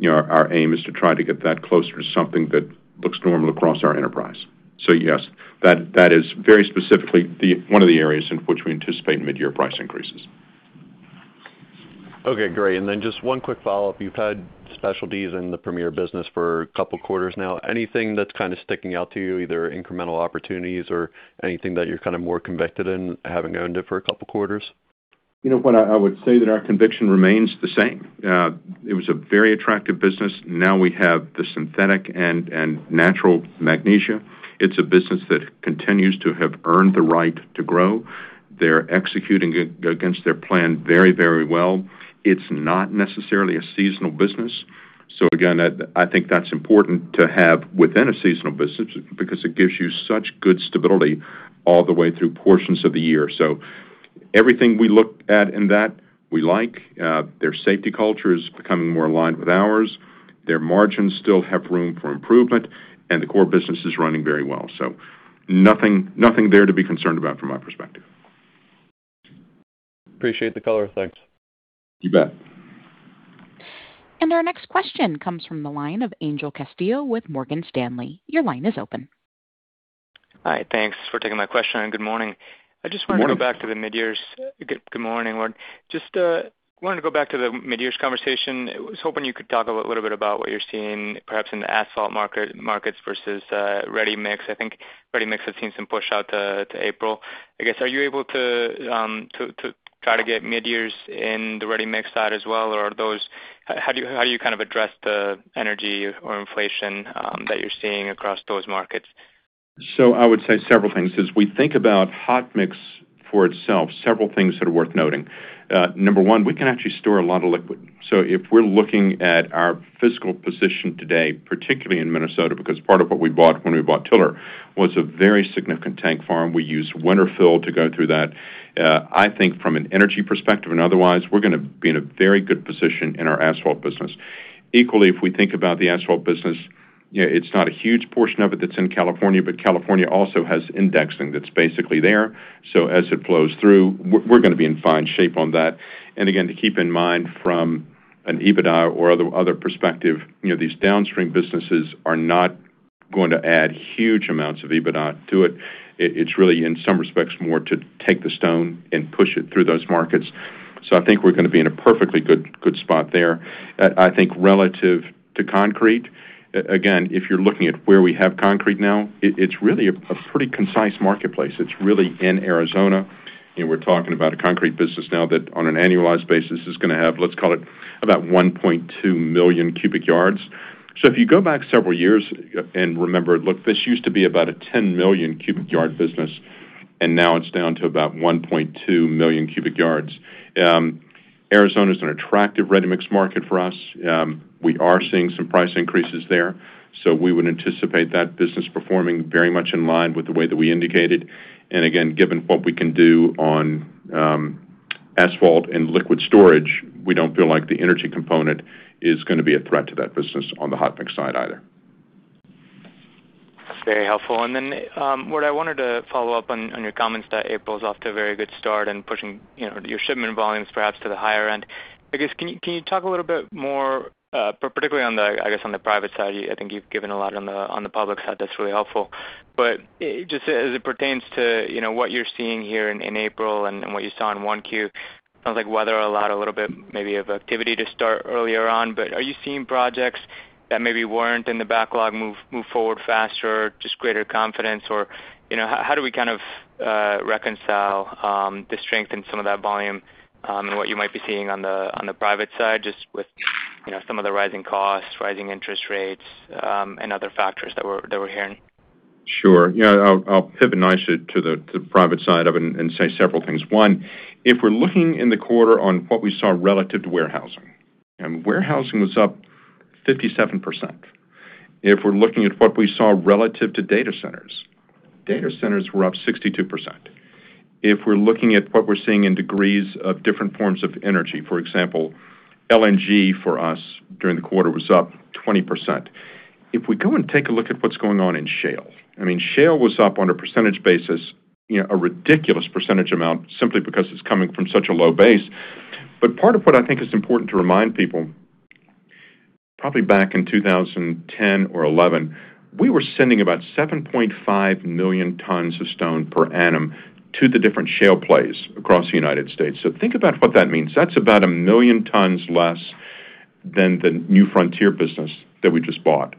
know, our aim is to try to get that closer to something that looks normal across our enterprise. Yes, that is very specifically one of the areas in which we anticipate mid-year price increases. Okay, great. Just one quick follow-up. You've had Specialties in the Premier business for couple of quarters now. Anything that's kind of sticking out to you, either incremental opportunities or anything that you're kind of more convicted in having owned it for couple of quarters? You know what, I would say that our conviction remains the same. It was a very attractive business. Now we have the synthetic and natural magnesia. It's a business that continues to have earned the right to grow. They're executing against their plan very well. It's not necessarily a seasonal business. Again, I think that's important to have within a seasonal business because it gives you such good stability all the way through portions of the year. Everything we look at in that, we like. Their safety culture is becoming more aligned with ours. Their margins still have room for improvement, and the core business is running very well. Nothing there to be concerned about from my perspective. Appreciate the color. Thanks. You bet. Our next question comes from the line of Angel Castillo with Morgan Stanley. Your line is open. Hi, thanks for taking my question, and good morning. Good morning. I just wanted to go back to the mid-years. Good morning, Ward. Wanted to go back to the mid-years conversation. Was hoping you could talk a little bit about what you're seeing perhaps in the asphalt markets versus ready-mix. I think ready-mix has seen some push out to April. I guess, are you able to try to get mid-years in the ready-mix side as well? How do you kind of address the energy or inflation that you're seeing across those markets? I would say several things. As we think about hot mix for itself, several things that are worth noting. Number one, we can actually store a lot of liquid. If we're looking at our physical position today, particularly in Minnesota, because part of what we bought when we bought Tiller was a very significant tank farm. We use winter fill to go through that. I think from an energy perspective and otherwise, we're gonna be in a very good position in our asphalt business. Equally, if we think about the asphalt business, you know, it's not a huge portion of it that's in California, but California also has indexing that's basically there. As it flows through, we're gonna be in fine shape on that. Again, to keep in mind from an EBITDA or other perspective, you know, these downstream businesses are not going to add huge amounts of EBITDA to it. It's really, in some respects, more to take the stone and push it through those markets. I think we're gonna be in a perfectly good spot there. I think relative to concrete, again, if you're looking at where we have concrete now, it's really a pretty concise marketplace. It's really in Arizona, and we're talking about a concrete business now that on an annualized basis is gonna have, let's call it about 1.2 million cubic yards. If you go back several years and remember, look, this used to be about a 10 million cubic yard business, and now it's down to about 1.2 million cubic yards. Arizona is an attractive ready-mix market for us. We are seeing some price increases there. We would anticipate that business performing very much in line with the way that we indicated. Again, given what we can do on asphalt and liquid storage, we don't feel like the energy component is gonna be a threat to that business on the hot mix side either. That's very helpful. Ward, I wanted to follow up on your comments that April's off to a very good start and pushing, you know, your shipment volumes perhaps to the higher end. I guess, can you talk a little bit more, particularly on the, I guess, on the private side? I think you've given a lot on the public side that's really helpful. Just as it pertains to, you know, what you're seeing here in April and what you saw in 1Q, sounds like weather allowed a little bit maybe of activity to start earlier on. Are you seeing projects that maybe weren't in the backlog move forward faster, just greater confidence? You know, how do we kind of reconcile the strength in some of that volume, and what you might be seeing on the, on the private side, just with, you know, some of the rising costs, rising interest rates, and other factors that we're hearing? Sure. Yeah, I'll pivot nicely to the private side of it and say several things. One, if we're looking in the quarter on what we saw relative to warehousing, and warehousing was up 57%. If we're looking at what we saw relative to data centers, data centers were up 62%. If we're looking at what we're seeing in degrees of different forms of energy, for example, LNG for us during the quarter was up 20%. If we go and take a look at what's going on in shale, I mean, shale was up on a percentage basis, you know, a ridiculous percentage amount simply because it's coming from such a low base. Part of what I think is important to remind people, probably back in 2010 or 2011, we were sending about 7.5 million tons of stone per annum to the different shale plays across the U.S. Think about what that means. That's about 1 million tons less than the New Frontier Materials business that we just bought.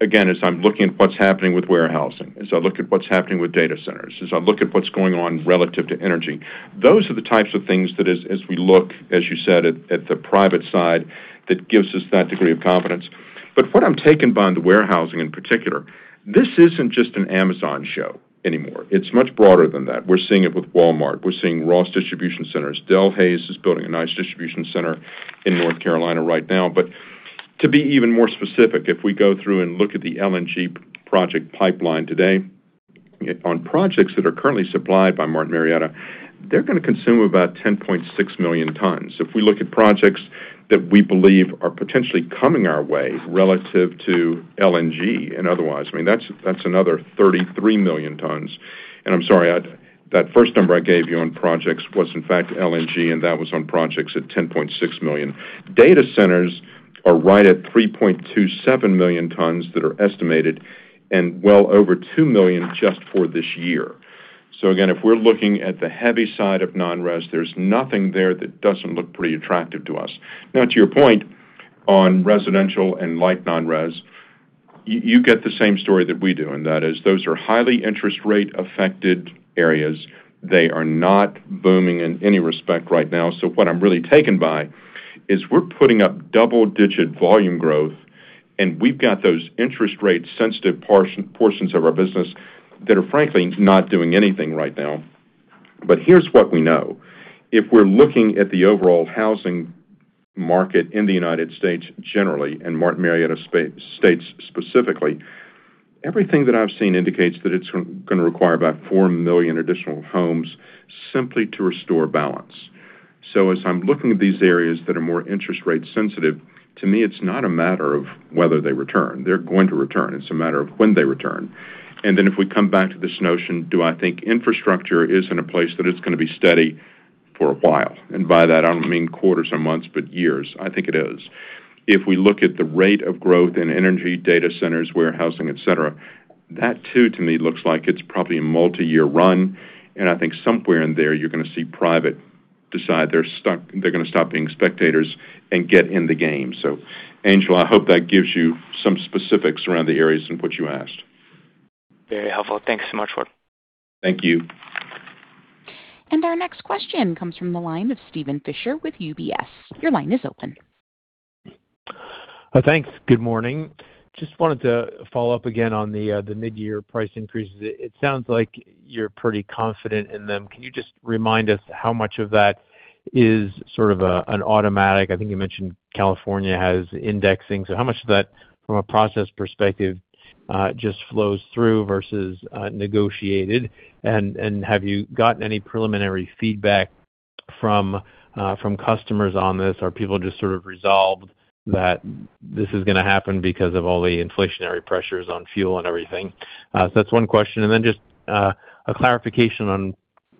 Again, as I'm looking at what's happening with warehousing, as I look at what's happening with data centers, as I look at what's going on relative to energy, those are the types of things that as we look, as you said, at the private side, that gives us that degree of confidence. What I'm taken by in the warehousing in particular, this isn't just an Amazon show anymore. It's much broader than that. We're seeing it with Walmart. We're seeing Ross Stores distribution centers. Delhaize is building a nice distribution center in North Carolina right now. To be even more specific, if we go through and look at the LNG project pipeline today, on projects that are currently supplied by Martin Marietta, they're gonna consume about 10.6 million tons. If we look at projects that we believe are potentially coming our way relative to LNG and otherwise, I mean, that's another 33 million tons. I'm sorry, I that first number I gave you on projects was in fact LNG, and that was on projects at 10.6 million. Data centers are right at 3.27 million tons that are estimated and well over 2 million just for this year. Again, if we're looking at the heavy side of non-res, there's nothing there that doesn't look pretty attractive to us. To your point on residential and light non-res, you get the same story that we do, those are highly interest rate affected areas. They are not booming in any respect right now. What I'm really taken by is we're putting up double-digit volume growth, and we've got those interest rate sensitive portions of our business that are frankly not doing anything right now. Here's what we know. If we're looking at the overall housing market in the United States generally, and Martin Marietta states specifically, everything that I've seen indicates that it's gonna require about 4 million additional homes simply to restore balance. As I'm looking at these areas that are more interest rate sensitive, to me it's not a matter of whether they return. They're going to return. It's a matter of when they return. If we come back to this notion, do I think infrastructure is in a place that it's gonna be steady for a while? By that I don't mean quarters or months, but years. I think it is. If we look at the rate of growth in energy data centers, warehousing, et cetera, that too to me looks like it's probably a multi-year run, and I think somewhere in there you're gonna see private decide they're gonna stop being spectators and get in the game. Angel, I hope that gives you some specifics around the areas in what you asked. Very helpful. Thanks so much, Ward. Thank you. Our next question comes from the line of Steven Fisher with UBS. Your line is open. Thanks. Good morning. Just wanted to follow up again on the mid-year price increases. It sounds like you're pretty confident in them. Can you just remind us how much of that is sort of an automatic-- I think you mentioned California has indexing. How much of that from a process perspective, just flows through versus negotiated? Have you gotten any preliminary feedback from customers on this? Are people just sort of resolved that this is gonna happen because of all the inflationary pressures on fuel and everything? That's one question. Just a clarification on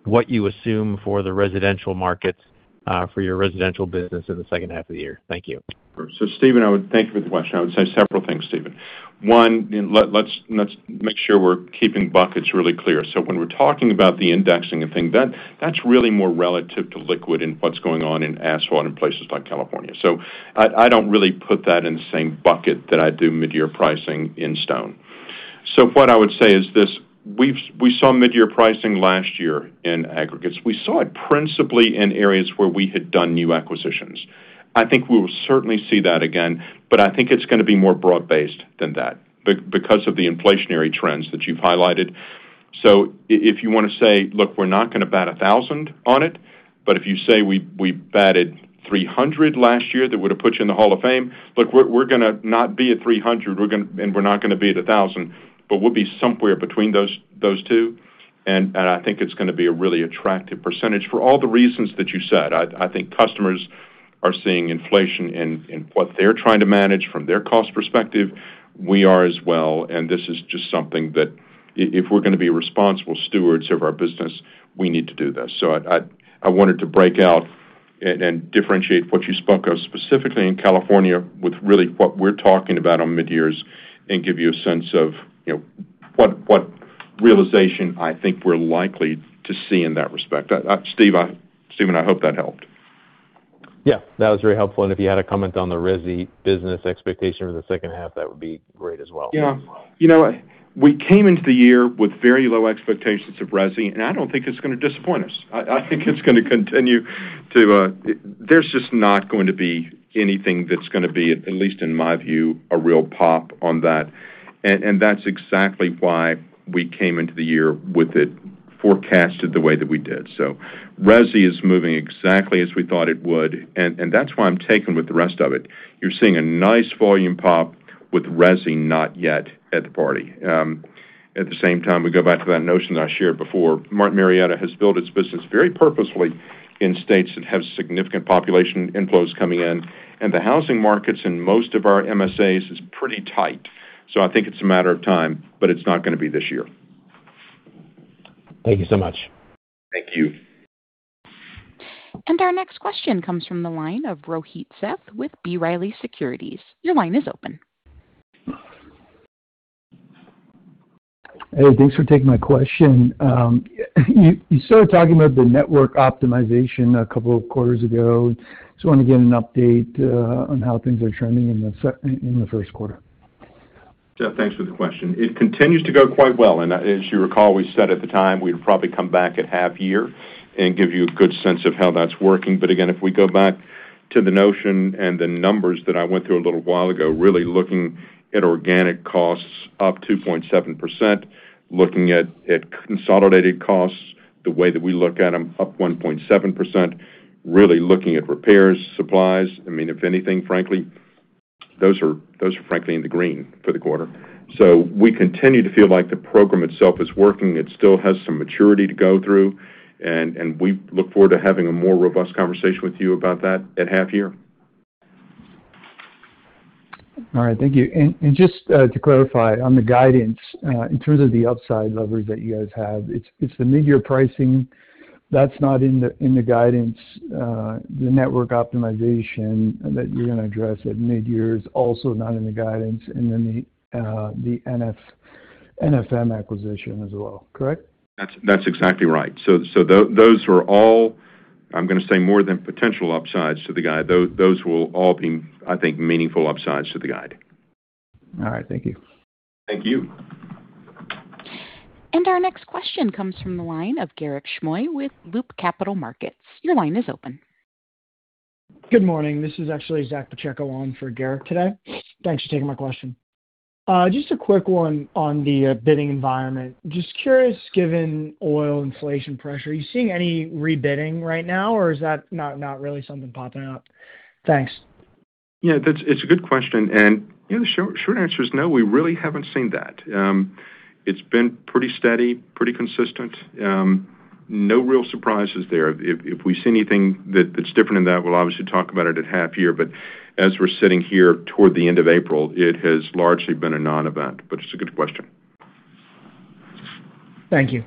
what you assume for the residential markets, for your residential business in the second half of the year. Thank you. Steven, thank you for the question. I would say several things, Steven. One, let's make sure we're keeping buckets really clear. When we're talking about the indexing and things, that's really more relative to liquid and what's going on in Asphalt in places like California. I don't really put that in the same bucket that I do mid-year pricing in stone. What I would say is this. We saw mid-year pricing last year in aggregates. We saw it principally in areas where we had done new acquisitions. I think we will certainly see that again, but I think it's gonna be more broad-based than that because of the inflationary trends that you've highlighted. If you wanna say, "Look, we're not gonna bat 1,000 on it," if you say we batted 300 last year, that would have put you in the hall of fame. Look, we're gonna not be at 300, we're not gonna be at 1,000, we'll be somewhere between those two. I think it's gonna be a really attractive percentage for all the reasons that you said. I think customers are seeing inflation in what they're trying to manage from their cost perspective. We are as well, this is just something that if we're gonna be responsible stewards of our business, we need to do this. I wanted to break out and differentiate what you spoke of specifically in California with really what we're talking about on mid-years and give you a sense of, you know, what realization I think we're likely to see in that respect. Steven, I hope that helped. Yeah. That was very helpful. If you had a comment on the resi business expectation for the second half, that would be great as well. Yeah. You know, we came into the year with very low expectations of resi, and I don't think it's gonna disappoint us. I think it's gonna continue to. There's just not going to be anything that's gonna be, at least in my view, a real pop on that. That's exactly why we came into the year with it forecasted the way that we did. Resi is moving exactly as we thought it would, and that's why I'm taken with the rest of it. You're seeing a nice volume pop with resi not yet at the party. At the same time, we go back to that notion that I shared before. Martin Marietta has built its business very purposefully in states that have significant population inflows coming in, and the housing markets in most of our MSAs is pretty tight. I think it's a matter of time, but it's not gonna be this year. Thank you so much. Thank you. Our next question comes from the line of Rohit Seth with B. Riley Securities. Your line is open. Thanks for taking my question. You started talking about the network optimization a couple of quarters ago. Just wanna get an update on how things are trending in the first quarter. Seth, thanks for the question. It continues to go quite well. As you recall, we said at the time we'd probably come back at half year and give you a good sense of how that's working. Again, if we go back to the notion and the numbers that I went through a little while ago, really looking at organic costs up 2.7%, looking at consolidated costs, the way that we look at them, up 1.7%, really looking at repairs, supplies. I mean, if anything, frankly, those are frankly in the green for the quarter. We continue to feel like the program itself is working. It still has some maturity to go through, and we look forward to having a more robust conversation with you about that at half year. All right. Thank you. Just to clarify on the guidance, in terms of the upside leverage that you guys have, it's the mid-year pricing that's not in the guidance. The network optimization that you're gonna address at mid-year is also not in the guidance and then the NFM acquisition as well, correct? That's exactly right. Those are all, I'm gonna say, more than potential upsides to the guide. Those will all be, I think, meaningful upsides to the guide. All right. Thank you. Thank you. Our next question comes from the line of Garik Shmois with Loop Capital Markets. Your line is open. Good morning. This is actually Zack Pacheco on for Garik today. Thanks for taking my question. Just a quick one on the bidding environment. Just curious, given oil inflation pressure, are you seeing any rebidding right now, or is that not really something popping up? Thanks. Yeah, it's a good question, you know, the short answer is no, we really haven't seen that. It's been pretty steady, pretty consistent. No real surprises there. If we see anything that's different in that, we'll obviously talk about it at half year. As we're sitting here toward the end of April, it has largely been a non-event, but it's a good question. Thank you.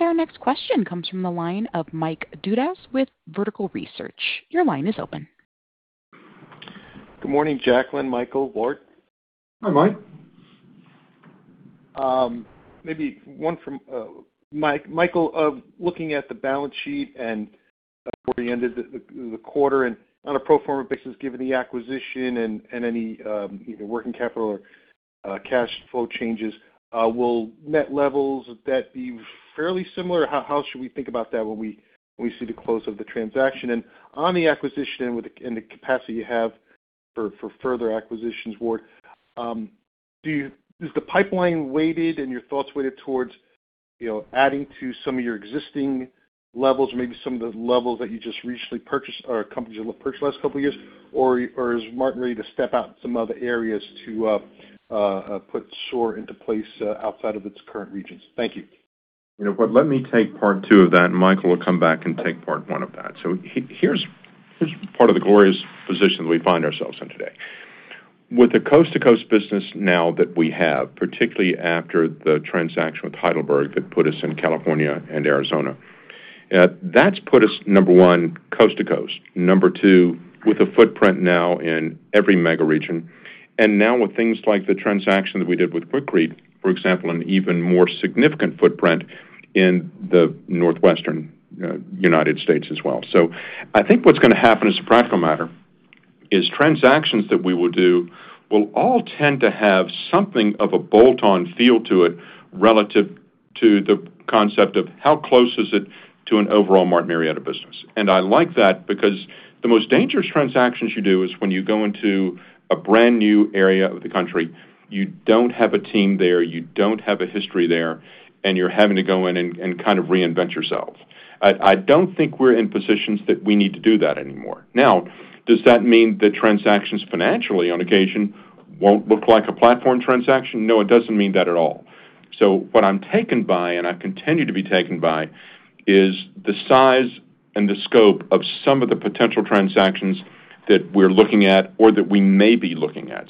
Our next question comes from the line of Mike Dudas with Vertical Research. Your line is open. Good morning, Jacklyn, Michael, Ward. Hi, Mike. Maybe one from Michael. Looking at the balance sheet and where you ended the quarter and on a pro forma basis, given the acquisition and any either working capital or cash flow changes, will net levels, would that be fairly similar? How should we think about that when we see the close of the transaction? On the acquisition and with the capacity you have for further acquisitions, Ward, is the pipeline weighted and your thoughts weighted towards, you know, adding to some of your existing levels, maybe some of the levels that you just recently purchased or companies you purchased the last couple of years? Or is Martin ready to step out in some other areas to put SOAR into place outside of its current regions? Thank you. You know what? Let me take part two of that, and Michael will come back and take part one of that. Here's part of the glorious position we find ourselves in today. With the coast-to-coast business now that we have, particularly after the transaction with Heidelberg that put us in California and Arizona, that's put us, number one, coast to coast. Number two, with a footprint now in every mega region. Now with things like the transaction that we did with Quikrete, for example, an even more significant footprint in the Northwestern, United States as well. I think what's gonna happen as a practical matter is transactions that we will do will all tend to have something of a bolt-on feel to it relative to the concept of how close is it to an overall Martin Marietta business. I like that because the most dangerous transactions you do is when you go into a brand-new area of the country, you don't have a team there, you don't have a history there, and you're having to go in and kind of reinvent yourself. I don't think we're in positions that we need to do that anymore. Does that mean that transactions financially on occasion won't look like a platform transaction? No, it doesn't mean that at all. What I'm taken by, and I continue to be taken by, is the size and the scope of some of the potential transactions that we're looking at or that we may be looking at.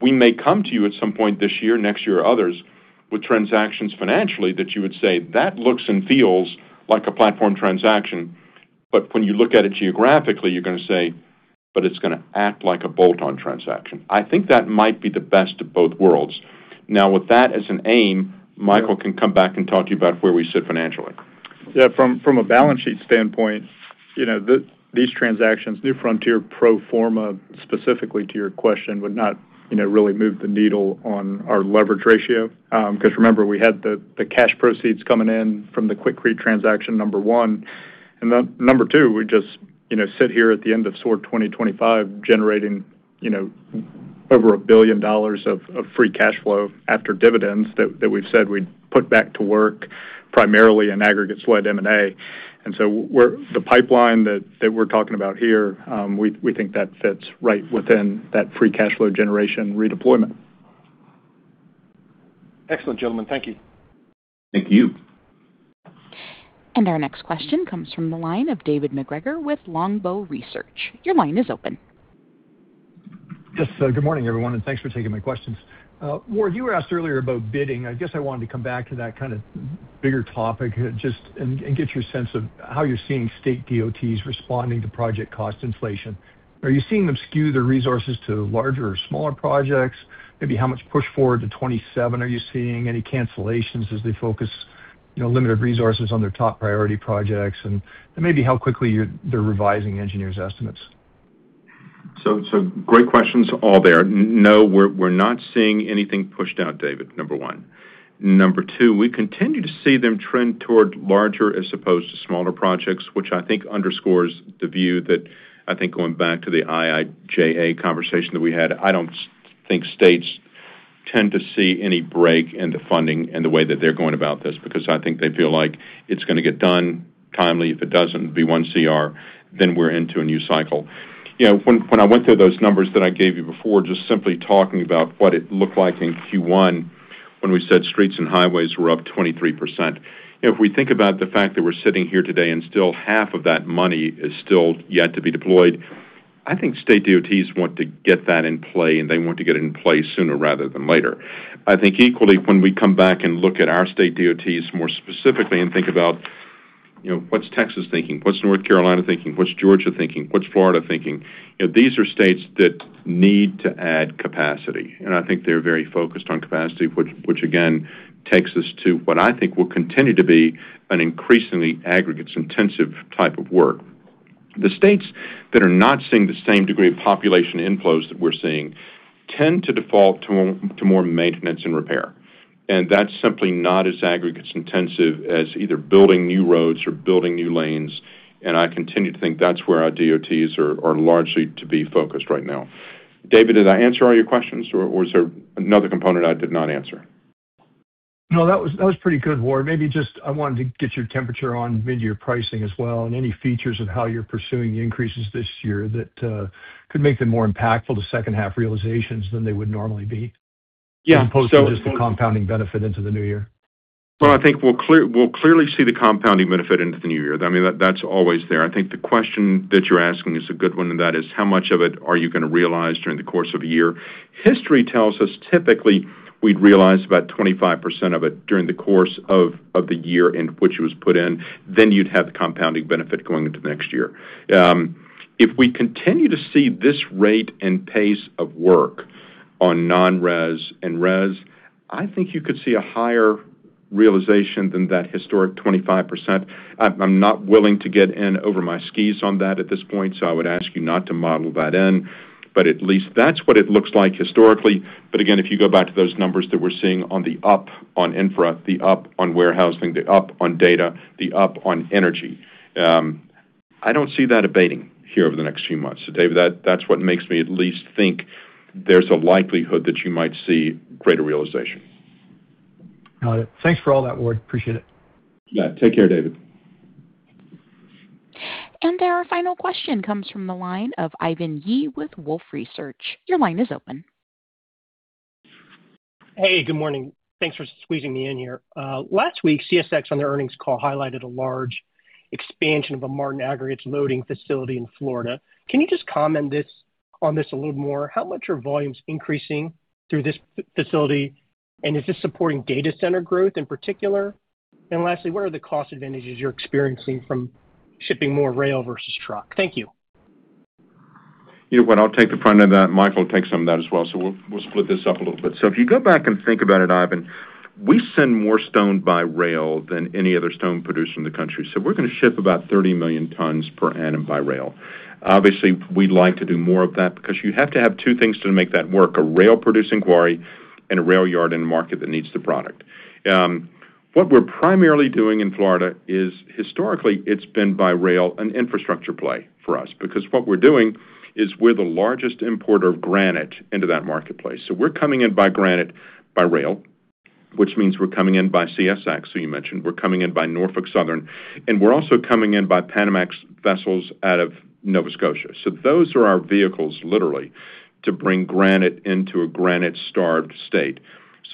We may come to you at some point this year, next year, or others with transactions financially that you would say that looks and feels like a platform transaction, but when you look at it geographically, you're gonna say, but it's gonna act like a bolt-on transaction. I think that might be the best of both worlds. Now, with that as an aim, Michael can come back and talk to you about where we sit financially. Yeah, from a balance sheet standpoint, you know, these transactions, New Frontier pro forma, specifically to your question, would not, you know, really move the needle on our leverage ratio. 'Cause remember, we had the cash proceeds coming in from the Quikrete transaction, number one. Number two, we just, you know, sit here at the end of SOAR 2025 generating, you know, over $1 billion of free cash flow after dividends that we've said we'd put back to work primarily in aggregates-led M&A. The pipeline that we're talking about here, we think that fits right within that free cash flow generation redeployment. Excellent, gentlemen. Thank you. Thank you. Our next question comes from the line of David MacGregor with Longbow Research. Yes. Good morning, everyone, and thanks for taking my questions. Ward, you were asked earlier about bidding. I guess I wanted to come back to that kind of bigger topic and get your sense of how you're seeing state DOTs responding to project cost inflation. Are you seeing them skew their resources to larger or smaller projects? Maybe how much push forward to 27 are you seeing? Any cancellations as they focus, you know, limited resources on their top priority projects? Maybe how quickly they're revising engineers' estimates. Great questions all there. No, we're not seeing anything pushed out, David, number one. Number two, we continue to see them trend toward larger as opposed to smaller projects, which I think underscores the view that I think going back to the IIJA conversation that we had, I don't think states tend to see any break in the funding and the way that they're going about this because I think they feel like it's gonna get done timely. If it doesn't, it'll be one CR, then we're into a new cycle. You know, when I went through those numbers that I gave you before, just simply talking about what it looked like in Q1 when we said streets and highways were up 23%. If we think about the fact that we're sitting here today and still half of that money is still yet to be deployed, I think state DOTs want to get that in play, and they want to get it in play sooner rather than later. I think equally, when we come back and look at our state DOTs more specifically and think about, you know, what's Texas thinking? What's North Carolina thinking? What's Georgia thinking? What's Florida thinking? You know, these are states that need to add capacity, and I think they're very focused on capacity, which again takes us to what I think will continue to be an increasingly aggregates-intensive type of work. The states that are not seeing the same degree of population inflows that we're seeing tend to default to more maintenance and repair. That's simply not as aggregates-intensive as either building new roads or building new lanes, I continue to think that's where our DOTs are largely to be focused right now. David, did I answer all your questions or was there another component I did not answer? No, that was pretty good, Ward. Maybe just I wanted to get your temperature on mid-year pricing as well and any features of how you're pursuing the increases this year that could make them more impactful to second-half realizations than they would normally be. Yeah. As opposed to just the compounding benefit into the new year. Well, I think we'll clearly see the compounding benefit into the new year. I mean, that's always there. I think the question that you're asking is a good one, that is how much of it are you gonna realize during the course of a year? History tells us typically we'd realize about 25% of it during the course of the year in which it was put in. You'd have the compounding benefit going into the next year. If we continue to see this rate and pace of work on non-res and res, I think you could see a higher realization than that historic 25%. I'm not willing to get in over my skis on that at this point, I would ask you not to model that in, at least that's what it looks like historically. Again, if you go back to those numbers that we're seeing on the up on infra, the up on warehousing, the up on data, the up on energy, I don't see that abating here over the next few months. David, that's what makes me at least think there's a likelihood that you might see greater realization. Got it. Thanks for all that, Ward. Appreciate it. Yeah. Take care, David. Our final question comes from the line of Ivan Yi with Wolfe Research. Your line is open. Good morning. Thanks for squeezing me in here. Last week, CSX on their earnings call highlighted a large expansion of a Martin Aggregates loading facility in Florida. Can you just comment on this a little more? How much are volumes increasing through this facility, is this supporting data center growth in particular? Lastly, what are the cost advantages you're experiencing from shipping more rail versus truck? Thank you. You know what, I'll take the front end of that. Michael will take some of that as well. We'll split this up a little bit. If you go back and think about it, Ivan, we send more stone by rail than any other stone producer in the country. We're going to ship about 30 million tons per annum by rail. Obviously, we'd like to do more of that because you have to have two things to make that work, a rail-producing quarry and a rail yard and a market that needs the product. What we're primarily doing in Florida is historically it's been by rail an infrastructure play for us because what we're doing is we're the largest importer of granite into that marketplace. We're coming in by granite by rail, which means we're coming in by CSX, who you mentioned. We're coming in by Norfolk Southern, and we're also coming in by Panamax vessels out of Nova Scotia. Those are our vehicles literally to bring granite into a granite-starved state.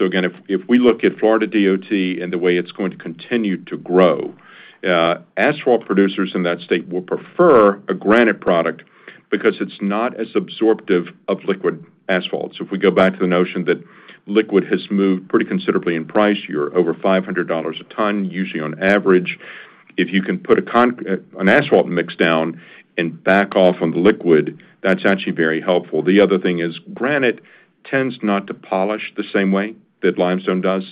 Again, if we look at Florida DOT and the way it's going to continue to grow, asphalt producers in that state will prefer a granite product because it's not as absorptive of liquid asphalt. If we go back to the notion that liquid has moved pretty considerably in price, you're over $500 a ton, usually on average. If you can put an asphalt mix down and back off on the liquid, that's actually very helpful. The other thing is granite tends not to polish the same way that limestone does.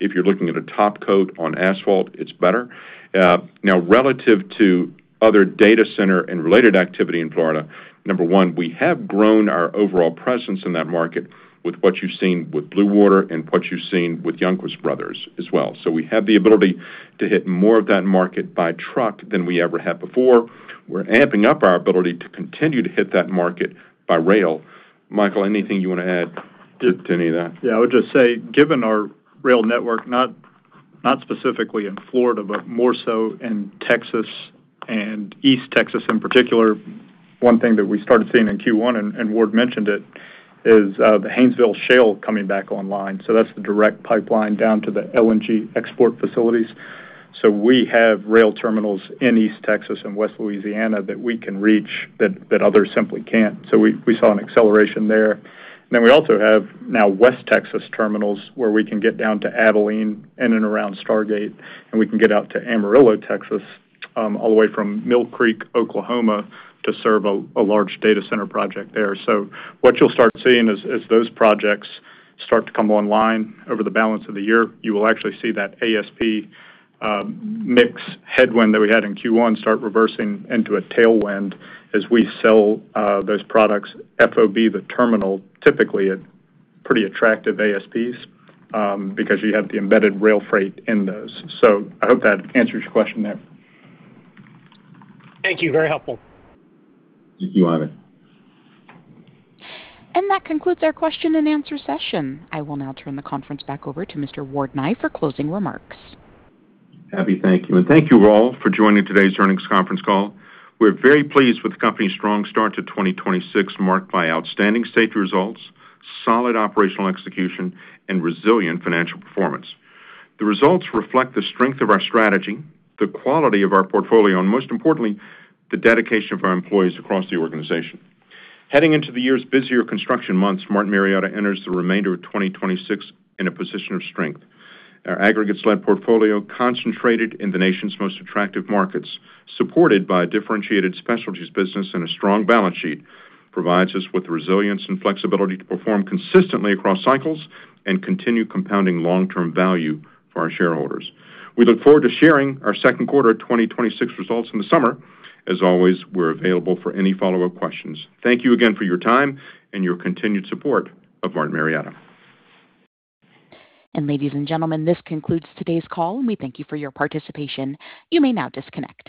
If you're looking at a topcoat on asphalt, it's better. Now relative to other data center and related activity in Florida, number one, we have grown our overall presence in that market with what you've seen with Blue Water and what you've seen with Youngquist Brothers as well. We have the ability to hit more of that market by truck than we ever have before. We're amping up our ability to continue to hit that market by rail. Michael, anything you wanna add to any of that? Yeah. I would just say, given our rail network, not specifically in Florida, but more so in Texas and East Texas in particular, one thing that we started seeing in Q1, and Ward mentioned it, is the Haynesville Shale coming back online. That's the direct pipeline down to the LNG export facilities. We have rail terminals in East Texas and West Louisiana that others simply can't. We saw an acceleration there. We also have now West Texas terminals where we can get down to Abilene in and around Stargate, and we can get out to Amarillo, Texas, all the way from Mill Creek, Oklahoma, to serve a large data center project there. What you'll start seeing as those projects start to come online over the balance of the year, you will actually see that ASP mix headwind that we had in Q1 start reversing into a tailwind as we sell those products FOB the terminal, typically at pretty attractive ASPs, because you have the embedded rail freight in those. I hope that answers your question there. Thank you. Very helpful. Thank you, Ivan. That concludes our question and answer session. I will now turn the conference back over to Mr. Ward Nye for closing remarks. Abby, thank you, and thank you all for joining today's earnings conference call. We're very pleased with the company's strong start to 2026, marked by outstanding safety results, solid operational execution, and resilient financial performance. The results reflect the strength of our strategy, the quality of our portfolio, and most importantly, the dedication of our employees across the organization. Heading into the year's busier construction months, Martin Marietta enters the remainder of 2026 in a position of strength. Our aggregates-led portfolio concentrated in the nation's most attractive markets, supported by a differentiated Specialties business and a strong balance sheet, provides us with the resilience and flexibility to perform consistently across cycles and continue compounding long-term value for our shareholders. We look forward to sharing our second quarter 2026 results in the summer. As always, we're available for any follow-up questions. Thank you again for your time and your continued support of Martin Marietta. And ladies and gentlemen, this concludes today's call, and we thank you for your participation. You may now disconnect.